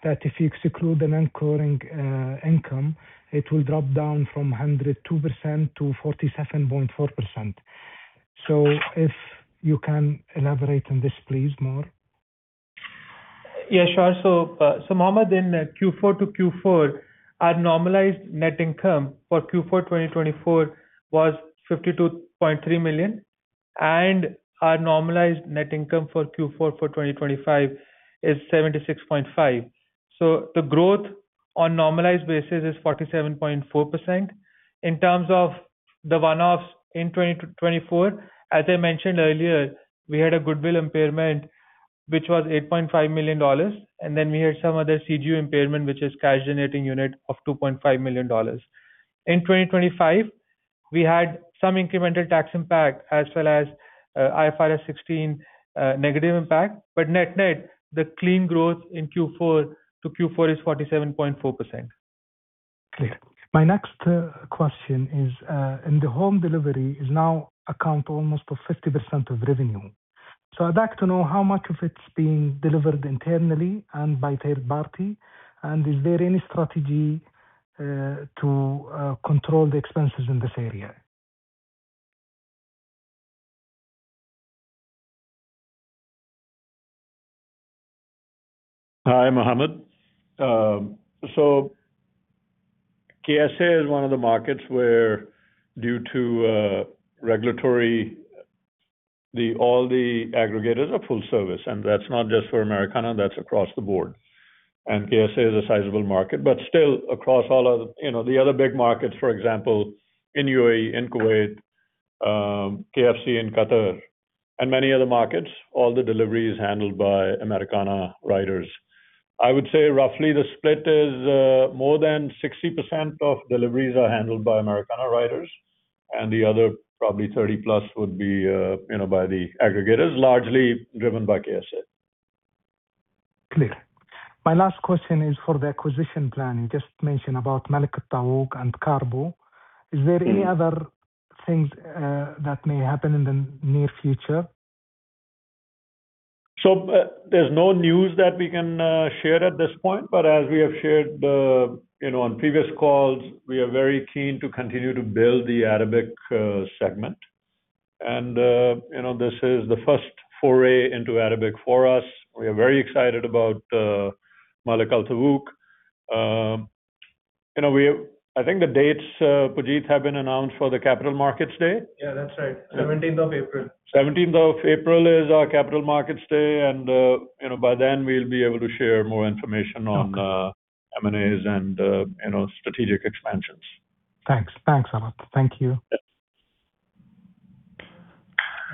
F: that if you exclude an incurring income, it will drop down from 102% to 47.4%. So if you can elaborate on this, please, more.
C: Yeah, sure. So Mohammed, in Q4 to Q4, our normalized net income for Q4, 2024 was $52.3 million, and our normalized net income for Q4 for 2025 is $76.5 million. So the growth on normalized basis is 47.4%. In terms of the one-offs in 2024, as I mentioned earlier, we had a goodwill impairment, which was $8.5 million, and then we had some other CGU impairment, which is cash generating unit of $2.5 million. In 2025, we had some incremental tax impact as well as, IFRS 16, negative impact. But net-net, the clean growth in Q4 to Q4 is 47.4%.
F: Clear. My next question is, in the home delivery is now account almost for 50% of revenue. So I'd like to know how much of it's being delivered internally and by third party, and is there any strategy to control the expenses in this area?
B: Hi, Mohammed. So K.S.A. is one of the markets where due to regulatory, all the aggregators are full service, and that's not just for Americana, that's across the board. And K.S.A. is a sizable market, but still across all of, you know, the other big markets, for example, in U.A.E., in Kuwait, KFC in Qatar and many other markets, all the delivery is handled by Americana riders. I would say roughly the split is more than 60% of deliveries are handled by Americana riders, and the other probably 30+ would be, you know, by the aggregators, largely driven by KSA.
F: Clear. My last question is for the acquisition plan. You just mentioned about Malak Al Tawouk and Carpo. Is there any other things that may happen in the near future?
B: There's no news that we can share at this point, but as we have shared, you know, on previous calls, we are very keen to continue to build the Arabic segment. You know, this is the first foray into Arabic for us. We are very excited about Malak Al Tawouk. You know, I think the dates, Pujeet, have been announced for the Capital Markets Day?
A: Yeah, that's right. 17th of April.
B: Seventeenth of April is our Capital Markets Day, and, you know, by then, we'll be able to share more information on M&As and, you know, strategic expansions.
F: Thanks. Thanks a lot. Thank you.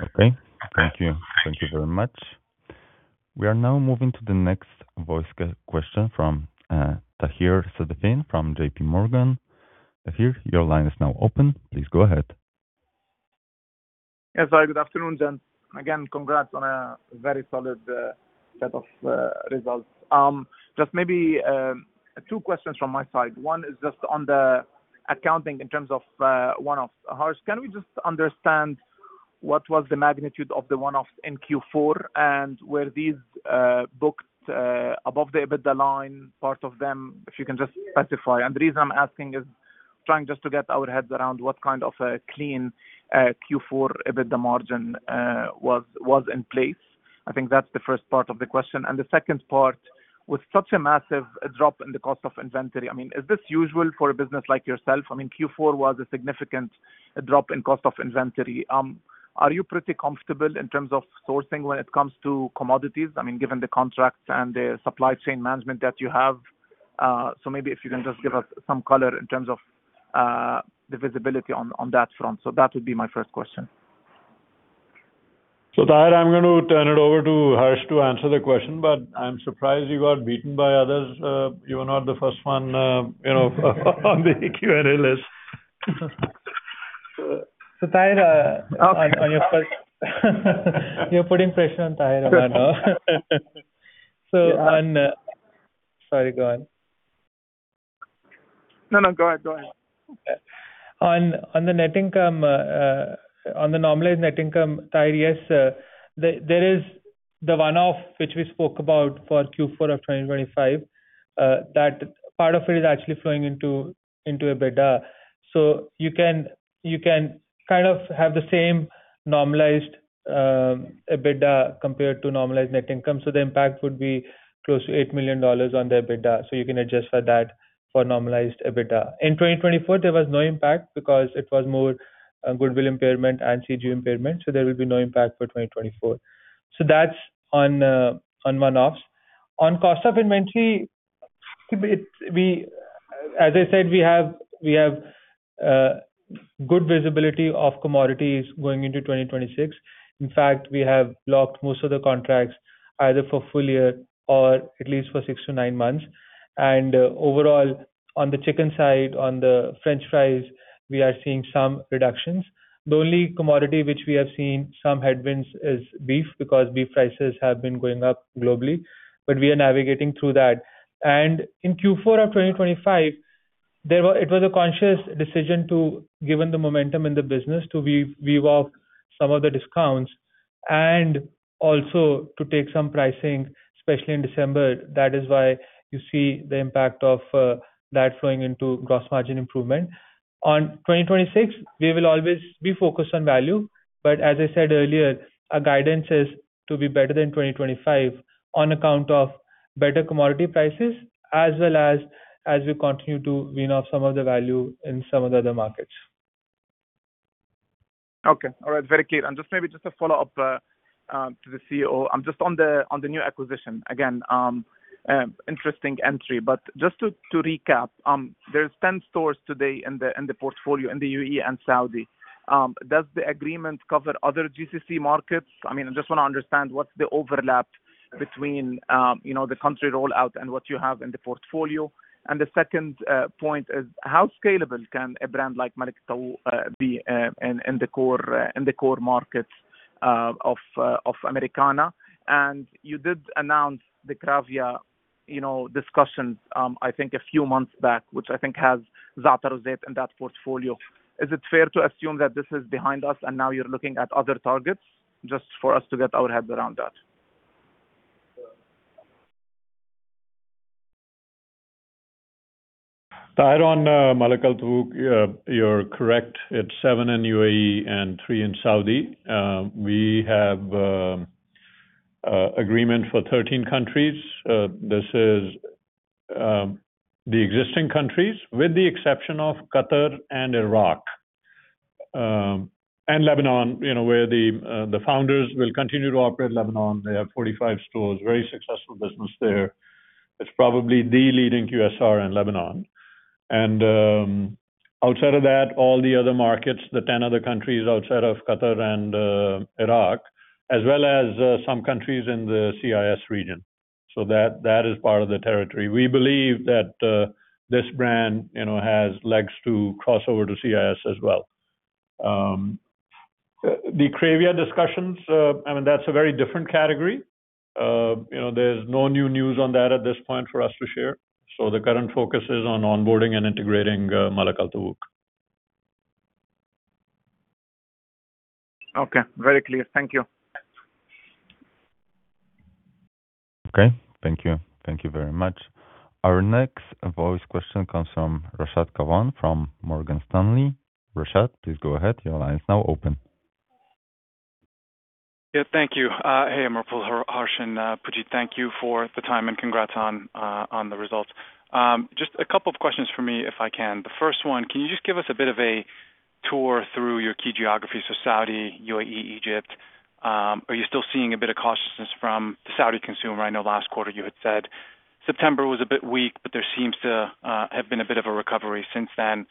D: Okay, thank you. Thank you very much. We are now moving to the next question from Taher Safieddine from JPMorgan. Taher, your line is now open. Please go ahead.
G: Yes, hi, good afternoon, gents. Again, congrats on a very solid set of results. Just maybe two questions from my side. One is just on the accounting in terms of one-off. Harsh, can we just understand what was the magnitude of the one-off in Q4, and were these booked above the EBITDA line, part of them? If you can just specify. The reason I'm asking is trying just to get our heads around what kind of a clean Q4 EBITDA margin was in place. I think that's the first part of the question. The second part, with such a massive drop in the cost of inventory, I mean, is this usual for a business like yourself? I mean, Q4 was a significant drop in cost of inventory. Are you pretty comfortable in terms of sourcing when it comes to commodities? I mean, given the contracts and the supply chain management that you have. So maybe if you can just give us some color in terms of the visibility on that front. That would be my first question.
B: So, Taher, I'm going to turn it over to Harsh to answer the question, but I'm surprised you got beaten by others. You are not the first one, you know, on the Q&A list.
C: So, Taher, on your first. You're putting pressure on Taher.
B: I know.
C: So on. Sorry, go on.
G: No, no, go ahead. Go ahead.
C: On the net income, on the normalized net income, Taher, yes, there is the one-off, which we spoke about for Q4 of 2025, that part of it is actually flowing into EBITDA. So you can kind of have the same normalized EBITDA compared to normalized net income. So the impact would be close to $8 million on the EBITDA, so you can adjust for that for normalized EBITDA. In 2024, there was no impact because it was more a goodwill impairment and CGU impairment, so there will be no impact for 2024. So that's on one-offs. On cost of inventory, as I said, we have good visibility of commodities going into 2026. In fact, we have locked most of the contracts either for full year or at least for six to nine months. And overall, on the chicken side, on the French fries, we are seeing some reductions. The only commodity which we have seen some headwinds is beef, because beef prices have been going up globally, but we are navigating through that. And in Q4 of 2025, it was a conscious decision to, given the momentum in the business, to wean off some of the discounts and also to take some pricing, especially in December. That is why you see the impact of that flowing into gross margin improvement. On 2026, we will always be focused on value, but as I said earlier, our guidance is to be better than 2025 on account of better commodity prices, as well as, as we continue to wean off some of the value in some of the other markets.
G: Okay, all right. Very clear. And just maybe just a follow-up to the CEO. Just on the new acquisition. Again, interesting entry, but just to recap, there's 10 stores today in the portfolio, in the U.A.E. and Saudi. Does the agreement cover other GCC markets? I mean, I just wanna understand what's the overlap between, you know, the country rollout and what you have in the portfolio. And the second point is, how scalable can a brand like Malak Al Tawouk be in the core markets of Americana? And you did announce the Cravia discussions, you know, I think a few months back, which I think has Zaatar Zeit in that portfolio. Is it fair to assume that this is behind us, and now you're looking at other targets? Just for us to get our heads around that.
B: So, on Malak Al Tawouk, you're correct, it's seven in U.A.E. and three in Saudi. We have agreement for 13 countries. This is the existing countries, with the exception of Qatar and Iraq, and Lebanon, you know, where the founders will continue to operate in Lebanon. They have 45 stores, very successful business there. It's probably the leading QSR in Lebanon. And, outside of that, all the other markets, the 10 other countries outside of Qatar and Iraq, as well as some countries in the CIS region. So that is part of the territory. We believe that this brand, you know, has legs to cross over to CIS as well. The Cravia discussions, I mean, that's a very different category. You know, there's no new news on that at this point for us to share, so the current focus is on onboarding and integrating Malak Al Tawouk.
G: Okay. Very clear. Thank you.
D: Okay, thank you. Thank you very much. Our next voice question comes from Rashad Kawan from Morgan Stanley. Rashad, please go ahead. Your line is now open.
H: Yeah, thank you. Hey, Amarpal, Harsh and Pujeet, thank you for the time, and congrats on the results. Just a couple of questions for me, if I can. The first one, can you just give us a bit of a tour through your key geographies of Saudi, U.A.E., Egypt? Are you still seeing a bit of cautiousness from the Saudi consumer? I know last quarter you had said September was a bit weak, but there seems to have been a bit of a recovery since then.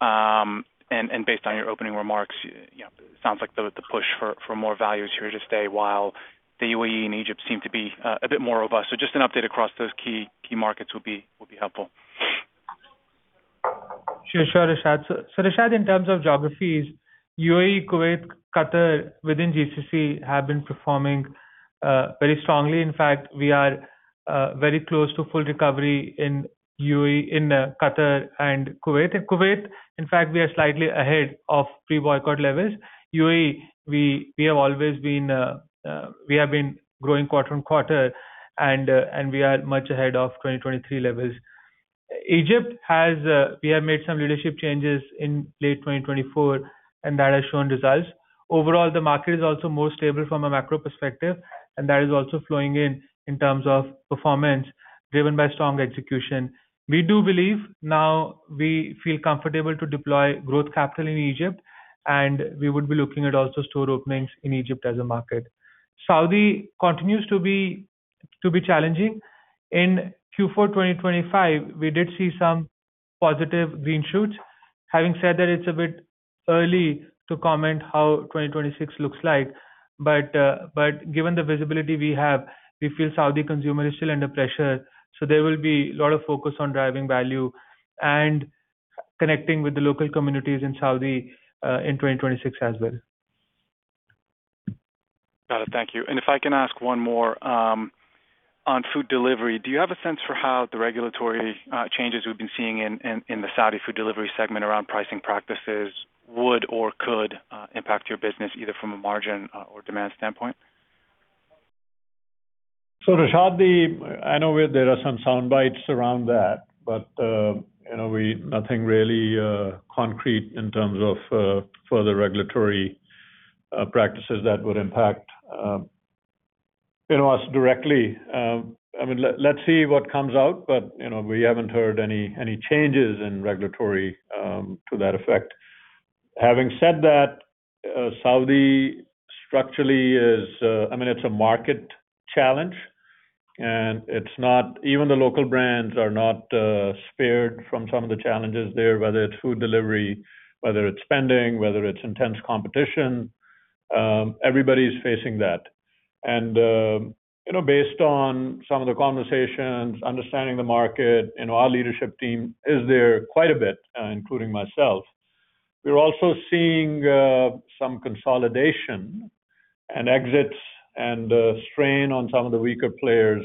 H: And based on your opening remarks, you know, sounds like the push for more value is here to stay, while the U.A.E. and Egypt seem to be a bit more robust. So just an update across those key, key markets would be helpful.
C: Sure, Rashad. So, Rashad, in terms of geographies, U.A.E., Kuwait, Qatar, within GCC, have been performing very strongly. In fact, we are very close to full recovery in U.A.E., in Qatar and Kuwait. In Kuwait, in fact, we are slightly ahead of pre-boycott levels. U.A.E., we have always been growing quarter-on-quarter, and we are much ahead of 2023 levels. In Egypt, we have made some leadership changes in late 2024, and that has shown results. Overall, the market is also more stable from a macro perspective, and that is also flowing in terms of performance, driven by strong execution. We do believe now we feel comfortable to deploy growth capital in Egypt, and we would be looking at also store openings in Egypt as a market. Saudi continues to be challenging. In Q4 2025, we did see some positive green shoots. Having said that, it's a bit early to comment how 2026 looks like, but, but given the visibility we have, we feel Saudi consumer is still under pressure, so there will be a lot of focus on driving value and connecting with the local communities in Saudi, in 2026 as well.
H: Got it. Thank you. And if I can ask one more, on food delivery, do you have a sense for how the regulatory changes we've been seeing in the Saudi food delivery segment around pricing practices would or could impact your business, either from a margin or demand standpoint?
B: So Rashad, I know where there are some soundbites around that, but, you know, we nothing really, concrete in terms of, further regulatory, practices that would impact, you know, us directly. I mean, let's see what comes out, but, you know, we haven't heard any changes in regulatory, to that effect. Having said that, Saudi structurally is, I mean, it's a market challenge, and it's not. Even the local brands are not, spared from some of the challenges there, whether it's food delivery, whether it's spending, whether it's intense competition, everybody's facing that. And, you know, based on some of the conversations, understanding the market, you know, our leadership team is there quite a bit, including myself. We're also seeing, some consolidation and exits and, strain on some of the weaker players,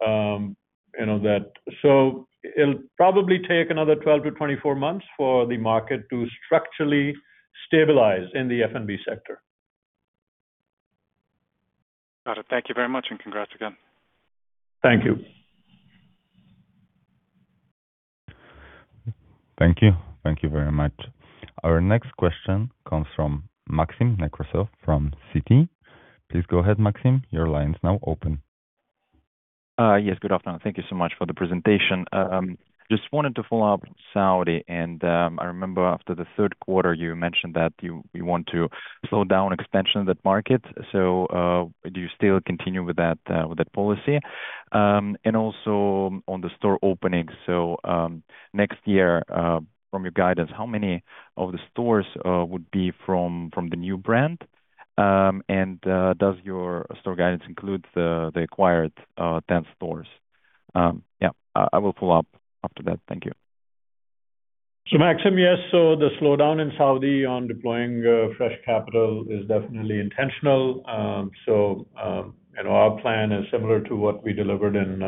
B: you know that. So it'll probably take another 12-24 months for the market to structurally stabilize in the F&B sector.
H: Got it. Thank you very much, and congrats again.
B: Thank you.
D: Thank you. Thank you very much. Our next question comes from Maxim Nekrasov from Citi. Please go ahead, Maxim. Your line is now open.
I: Yes, good afternoon. Thank you so much for the presentation. Just wanted to follow up on Saudi, and I remember after the third quarter, you mentioned that you want to slow down expansion in that market. So, do you still continue with that policy? And also on the store openings, so next year, from your guidance, how many of the stores would be from the new brand? And does your store guidance include the acquired 10 stores? Yeah, I will follow up after that. Thank you.
B: So, Maxim, yes, so the slowdown in Saudi on deploying fresh capital is definitely intentional. So, and our plan is similar to what we delivered in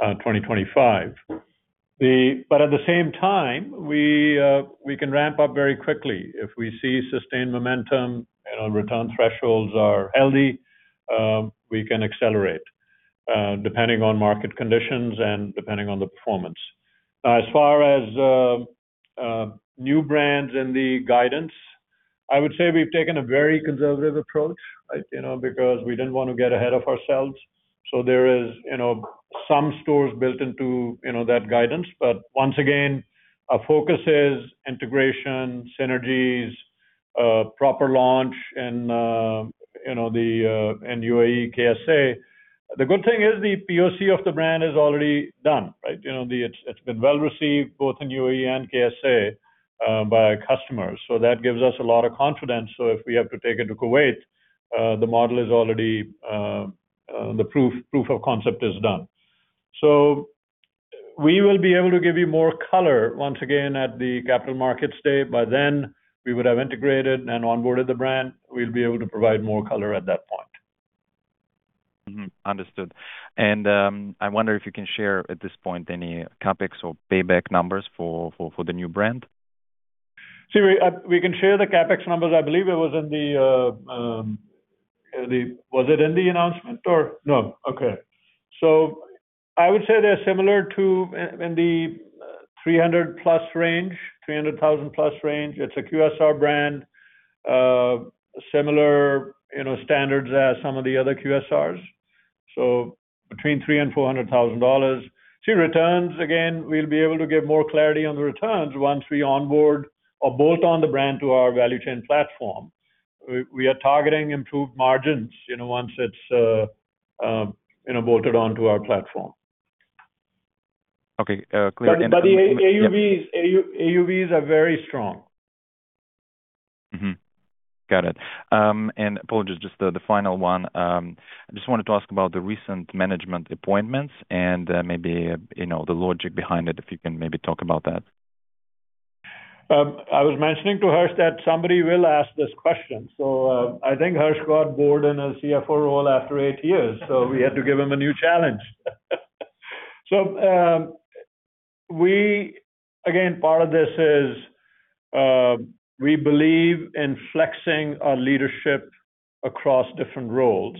B: 2025. But at the same time, we can ramp up very quickly. If we see sustained momentum and our return thresholds are healthy, we can accelerate, depending on market conditions and depending on the performance. As far as new brands and the guidance, I would say we've taken a very conservative approach, like, you know, because we didn't want to get ahead of ourselves. So there is, you know, some stores built into, you know, that guidance. But once again, our focus is integration, synergies, proper launch and, you know, in U.A.E., K.S.A. The good thing is the POC of the brand is already done, right? You know, it's been well received both in U.A.E. and K.S.A. by our customers, so that gives us a lot of confidence. So if we have to take it to Kuwait, the model is already, the proof of concept is done. So we will be able to give you more color once again at the Capital Markets Day. By then, we would have integrated and onboarded the brand. We'll be able to provide more color at that point.
I: Understood. I wonder if you can share, at this point, any CapEx or payback numbers for the new brand?
B: See, we, we can share the CapEx numbers. I believe it was in the. Was it in the announcement or? No. Okay. So I would say they're similar to in, in the 300+ range, 300,000+ range. It's a QSR brand. Similar, you know, standards as some of the other QSRs, so between $300,000 and $400,000. See, returns, again, we'll be able to give more clarity on the returns once we onboard or bolt on the brand to our value chain platform. We, we are targeting improved margins, you know, once it's bolted on to our platform.
I: Okay,
B: But the AUVs are very strong.
I: Got it. And apologies, just the final one. I just wanted to ask about the recent management appointments and, maybe, you know, the logic behind it, if you can maybe talk about that.
B: I was mentioning to Harsh that somebody will ask this question. So, I think Harsh got bored in his CFO role after eight years, so we had to give him a new challenge. So, again, part of this is, we believe in flexing our leadership across different roles.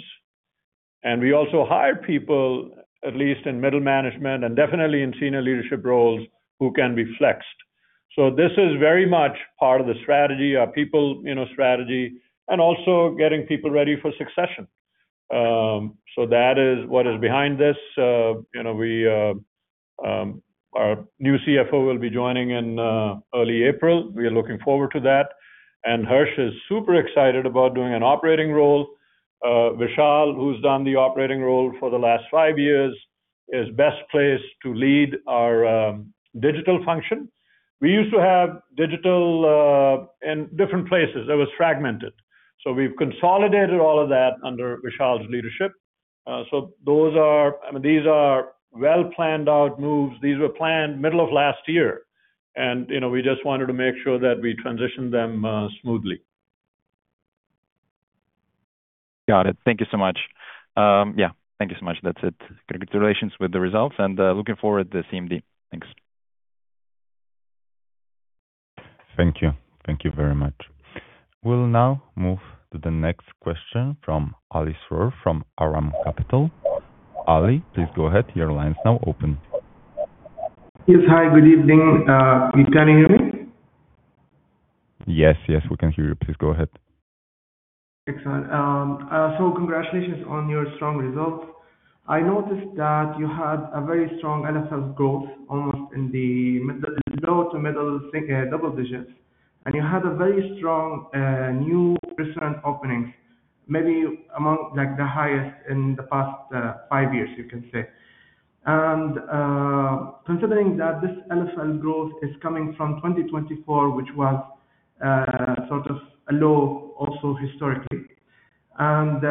B: And we also hire people, at least in middle management and definitely in senior leadership roles, who can be flexed. So this is very much part of the strategy, our people, you know, strategy, and also getting people ready for succession. So that is what is behind this. You know, we, our new CFO will be joining in, early April. We are looking forward to that. And Harsh is super excited about doing an operating role. Vishal, who's done the operating role for the last five years, is best placed to lead our digital function. We used to have digital in different places. It was fragmented. So we've consolidated all of that under Vishal's leadership. So those are. I mean, these are well-planned-out moves. These were planned middle of last year, and, you know, we just wanted to make sure that we transitioned them smoothly.
I: Got it. Thank you so much. Yeah, thank you so much. That's it. Congratulations with the results, and looking forward to CMD. Thanks.
D: Thank you. Thank you very much. We'll now move to the next question from [Ali Srour], from Arqaam Capital. Ali, please go ahead. Your line is now open.
J: Yes. Hi, good evening. Can you hear me?
D: Yes, yes, we can hear you. Please go ahead.
J: Excellent. So congratulations on your strong results. I noticed that you had a very strong LFL growth, almost in the low- to mid-double digits, and you had a very strong new restaurant openings, maybe among like the highest in the past five years, you can say. And considering that this LFL growth is coming from 2024, which was sort of a low, also historically, and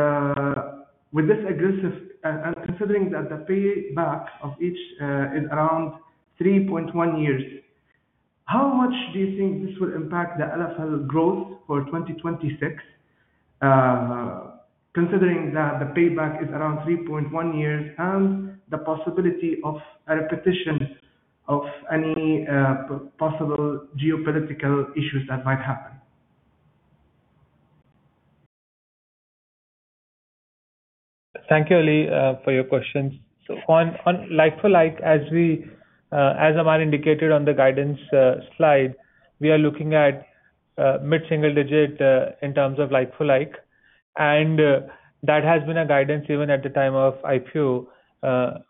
J: with this aggressive, and considering that the payback of each is around 3.1 years. How much do you think this will impact the LFL growth for 2026, considering that the payback is around 3.1 years and the possibility of a repetition of any possible geopolitical issues that might happen?
C: Thank you, Ali, for your questions. So on like-for-like, as Amar indicated on the guidance slide, we are looking at mid-single digit in terms of like-for-like, and that has been a guidance even at the time of IPO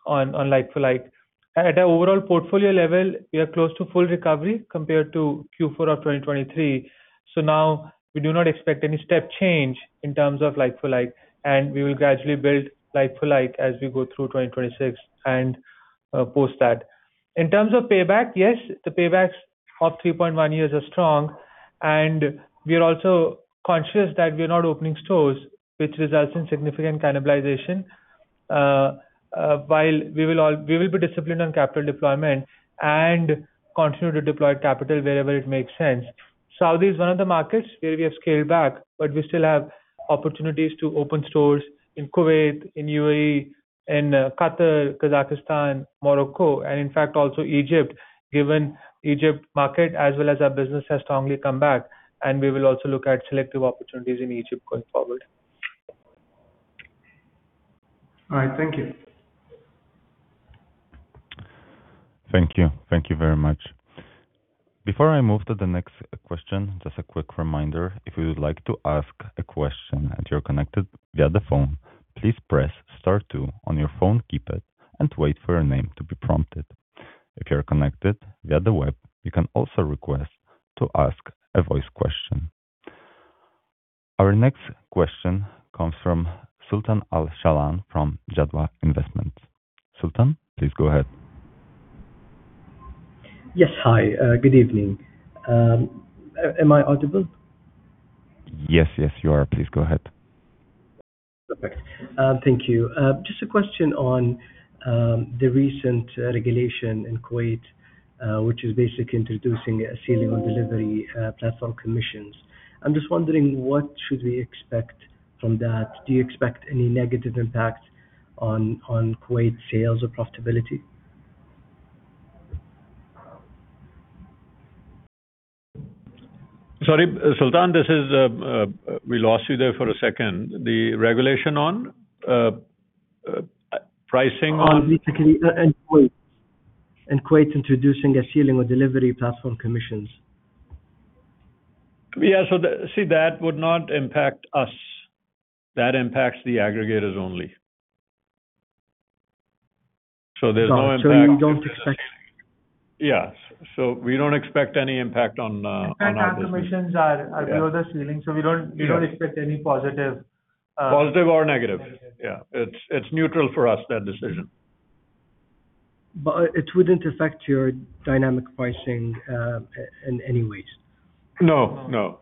C: on like-for-like. At an overall portfolio level, we are close to full recovery compared to Q4 of 2023. So now we do not expect any step change in terms of like-for-like, and we will gradually build like-for-like as we go through 2026 and post that. In terms of payback, yes, the paybacks of 3.1 years are strong, and we are also conscious that we are not opening stores which results in significant cannibalization. While we will be disciplined on capital deployment and continue to deploy capital wherever it makes sense. Saudi is one of the markets where we have scaled back, but we still have opportunities to open stores in Kuwait, in U.A.E., in Qatar, Kazakhstan, Morocco, and in fact, also Egypt, given Egypt market as well as our business has strongly come back, and we will also look at selective opportunities in Egypt going forward.
J: All right. Thank you.
D: Thank you. Thank you very much. Before I move to the next question, just a quick reminder, if you would like to ask a question and you're connected via the phone, please press star two on your phone keypad and wait for your name to be prompted. If you're connected via the web, you can also request to ask a voice question. Our next question comes from Sultan Al-Shaalan from Jadwa Investment. Sultan, please go ahead.
K: Yes. Hi, good evening. Am I audible?
D: Yes, yes, you are. Please go ahead.
K: Perfect. Thank you. Just a question on the recent regulation in Kuwait, which is basically introducing a ceiling on delivery platform commissions. I'm just wondering, what should we expect from that? Do you expect any negative impact on Kuwait sales or profitability?
B: Sorry, Sultan, this is, we lost you there for a second. The regulation on, pricing on?
K: On basically in Kuwait. In Kuwait, introducing a ceiling of delivery platform commissions.
B: See, that would not impact us. That impacts the aggregators only. So there's no impact.
K: You don't expect.
B: Yes. So we don't expect any impact on our business.
C: In fact, our commissions are below the ceiling, so we don't expect any positive.
B: Positive or negative? Yeah, it's, it's neutral for us, that decision.
K: But it wouldn't affect your dynamic pricing in any ways?
B: No, no.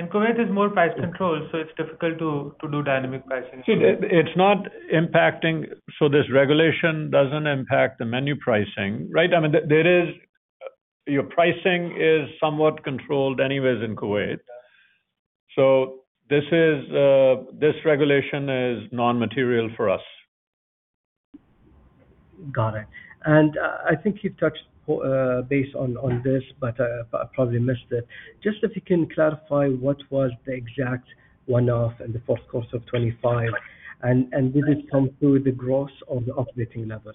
C: Kuwait is more price controlled, so it's difficult to do dynamic pricing.
B: See, it's not impacting. So this regulation doesn't impact the menu pricing, right? I mean, there is. Your pricing is somewhat controlled anyways in Kuwait. So this is, this regulation is non-material for us.
K: Got it. And, I think you've touched base on this, but I probably missed it. Just if you can clarify what was the exact one-off in the fourth quarter of 2025, and did this come through the gross or the operating level?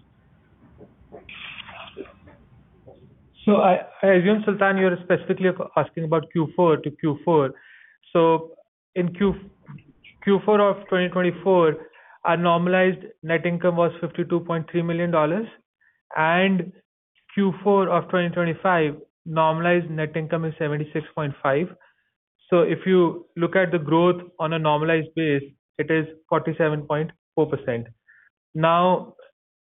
C: So I assume, Sultan, you're specifically asking about Q4 to Q4. So in Q4 of 2024, our normalized net income was $52.3 million, and Q4 of 2025, normalized net income is $76.5 million. So if you look at the growth on a normalized base, it is 47.4%. Now,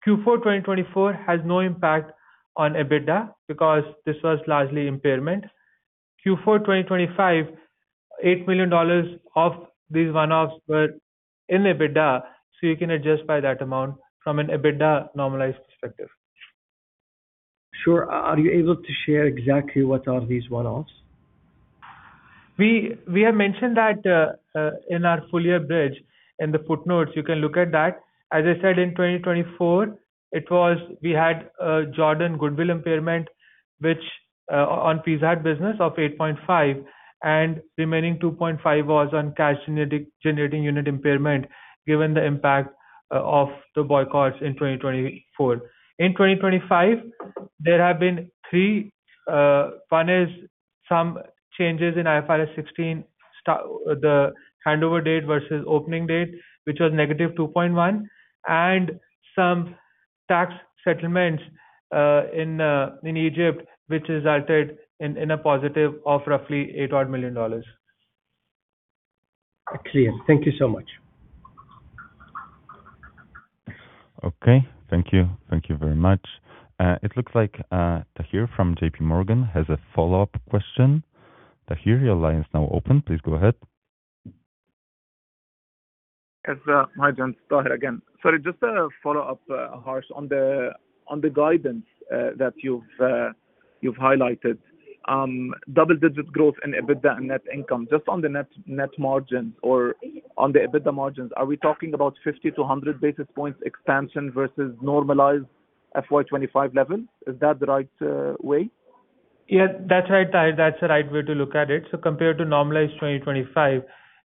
C: Q4 2024 has no impact on EBITDA because this was largely impairment. Q4 2025, $8 million of these one-offs were in EBITDA, so you can adjust by that amount from an EBITDA normalized perspective.
K: Sure. Are you able to share exactly what are these one-offs?
C: We have mentioned that in our full year bridge, in the footnotes, you can look at that. As I said, in 2024, it was we had a Jordan goodwill impairment, which on Pizza Hut business of $8.5, and remaining $2.5 was on cash generating unit impairment, given the impact of the boycotts in 2024. In 2025, there have been three, one is some changes in IFRS 16, the handover date versus opening date, which was -2.1, and some tax settlements in Egypt, which resulted in a positive of roughly $8 million.
K: Clear. Thank you so much.
D: Okay. Thank you. Thank you very much. It looks like, Taher from JPMorgan has a follow-up question. Taher, your line is now open. Please go ahead.
G: Yes, hi, Taher again. Sorry, just a follow-up, Harsh, on the guidance that you've highlighted. Double-digit growth in EBITDA and net income. Just on the net margins or on the EBITDA margins, are we talking about 50-100 basis points expansion versus normalized FY 2025 level? Is that the right way?
C: Yeah, that's right, Taher. That's the right way to look at it. Compared to normalized 2025,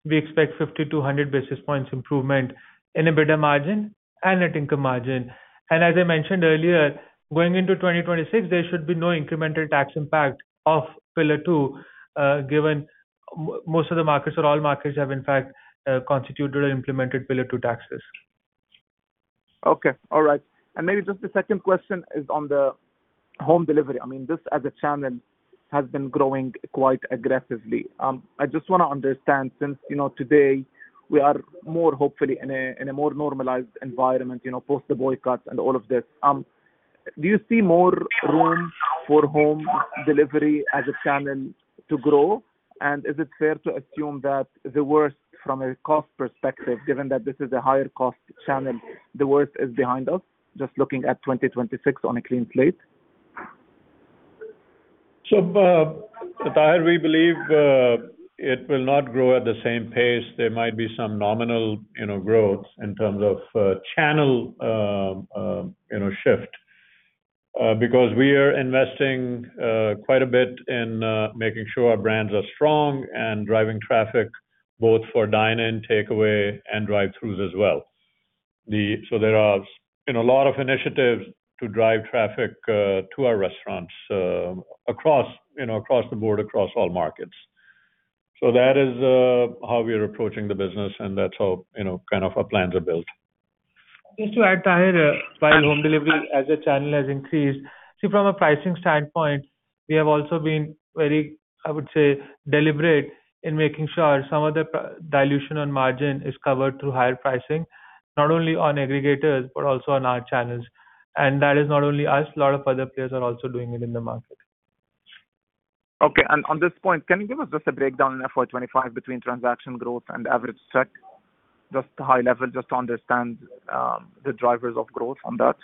C: we expect 50-100 basis points improvement in EBITDA margin and net income margin. As I mentioned earlier, going into 2026, there should be no incremental tax impact of Pillar Two, given most of the markets or all markets have, in fact, constituted or implemented Pillar Two taxes.
G: Okay, all right. And maybe just the second question is on the home delivery. I mean, this as a channel has been growing quite aggressively. I just wanna understand, since, you know, today we are more hopefully in a, in a more normalized environment, you know, post the boycotts and all of this, do you see more room for home delivery as a channel to grow? And is it fair to assume that the worst from a cost perspective, given that this is a higher cost channel, the worst is behind us, just looking at 2026 on a clean plate?
B: So, Taher, we believe, it will not grow at the same pace. There might be some nominal, you know, growth in terms of, channel, you know, shift. Because we are investing, quite a bit in, making sure our brands are strong and driving traffic both for dine-in, takeaway, and drive-throughs as well. So there are, you know, a lot of initiatives to drive traffic, to our restaurants, across, you know, across the board, across all markets. So that is, how we are approaching the business, and that's how, you know, kind of our plans are built.
C: Just to add, Taher, while home delivery as a channel has increased, from a pricing standpoint, we have also been very, I would say, deliberate in making sure some of the price dilution on margin is covered through higher pricing, not only on aggregators, but also on our channels. And that is not only us, a lot of other players are also doing it in the market.
G: Okay. And on this point, can you give us just a breakdown in FY 2025 between transaction growth and average check? Just high level, just to understand, the drivers of growth on that.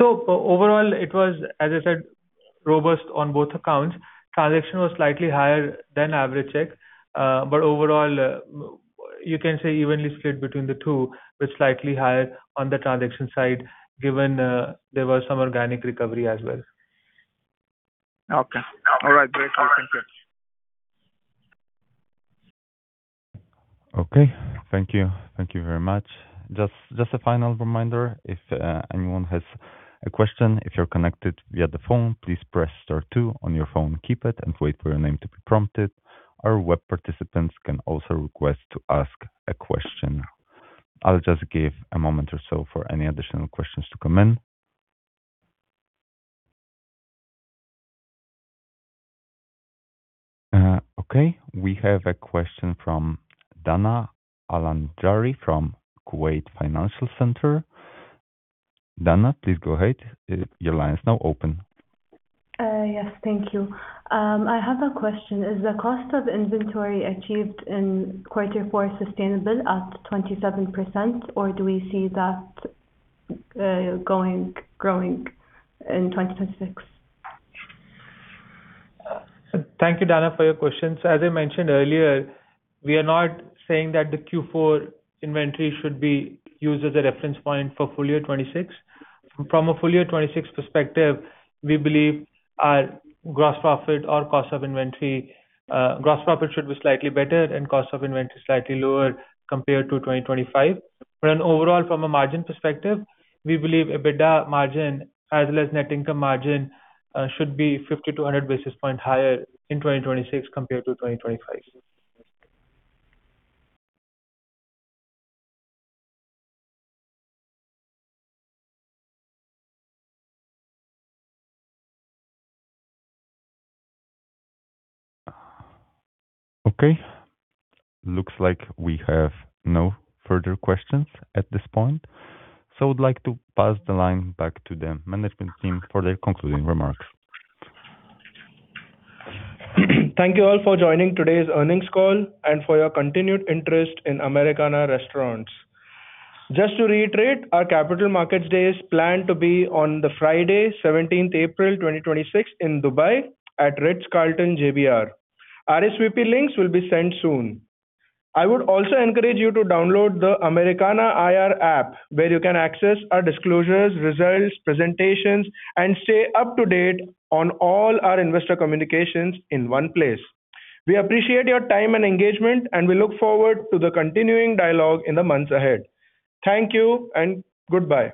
C: Overall, it was, as I said, robust on both accounts. Transaction was slightly higher than average check, but overall, you can say evenly split between the two, but slightly higher on the transaction side, given there was some organic recovery as well.
G: Okay. All right, great. Thank you.
D: Okay. Thank you. Thank you very much. Just, just a final reminder, if anyone has a question, if you're connected via the phone, please press star two on your phone, keep it and wait for your name to be prompted. Our web participants can also request to ask a question. I'll just give a moment or so for any additional questions to come in. Okay, we have a question from Dana Alanjari from Kuwait Financial Centre. Dana, please go ahead. Your line is now open.
L: Yes, thank you. I have a question. Is the cost of inventory achieved in quarter four sustainable at 27%, or do we see that growing in 2026?
C: Thank you, Dana, for your question. So as I mentioned earlier, we are not saying that the Q4 inventory should be used as a reference point for full year 2026. From a full year 2026 perspective, we believe our gross profit or cost of inventory, gross profit should be slightly better and cost of inventory slightly lower compared to 2025. But then overall, from a margin perspective, we believe EBITDA margin as well as net income margin should be 50 to 100 basis point higher in 2026 compared to 2025.
D: Okay. Looks like we have no further questions at this point, so I would like to pass the line back to the management team for their concluding remarks.
A: Thank you all for joining today's earnings call and for your continued interest in Americana Restaurants. Just to reiterate, our Capital Markets Day is planned to be on the Friday, 17th April 2026 in Dubai at Ritz-Carlton JBR. RSVP links will be sent soon. I would also encourage you to download the Americana IR app, where you can access our disclosures, results, presentations, and stay up to date on all our investor communications in one place. We appreciate your time and engagement, and we look forward to the continuing dialogue in the months ahead. Thank you and goodbye.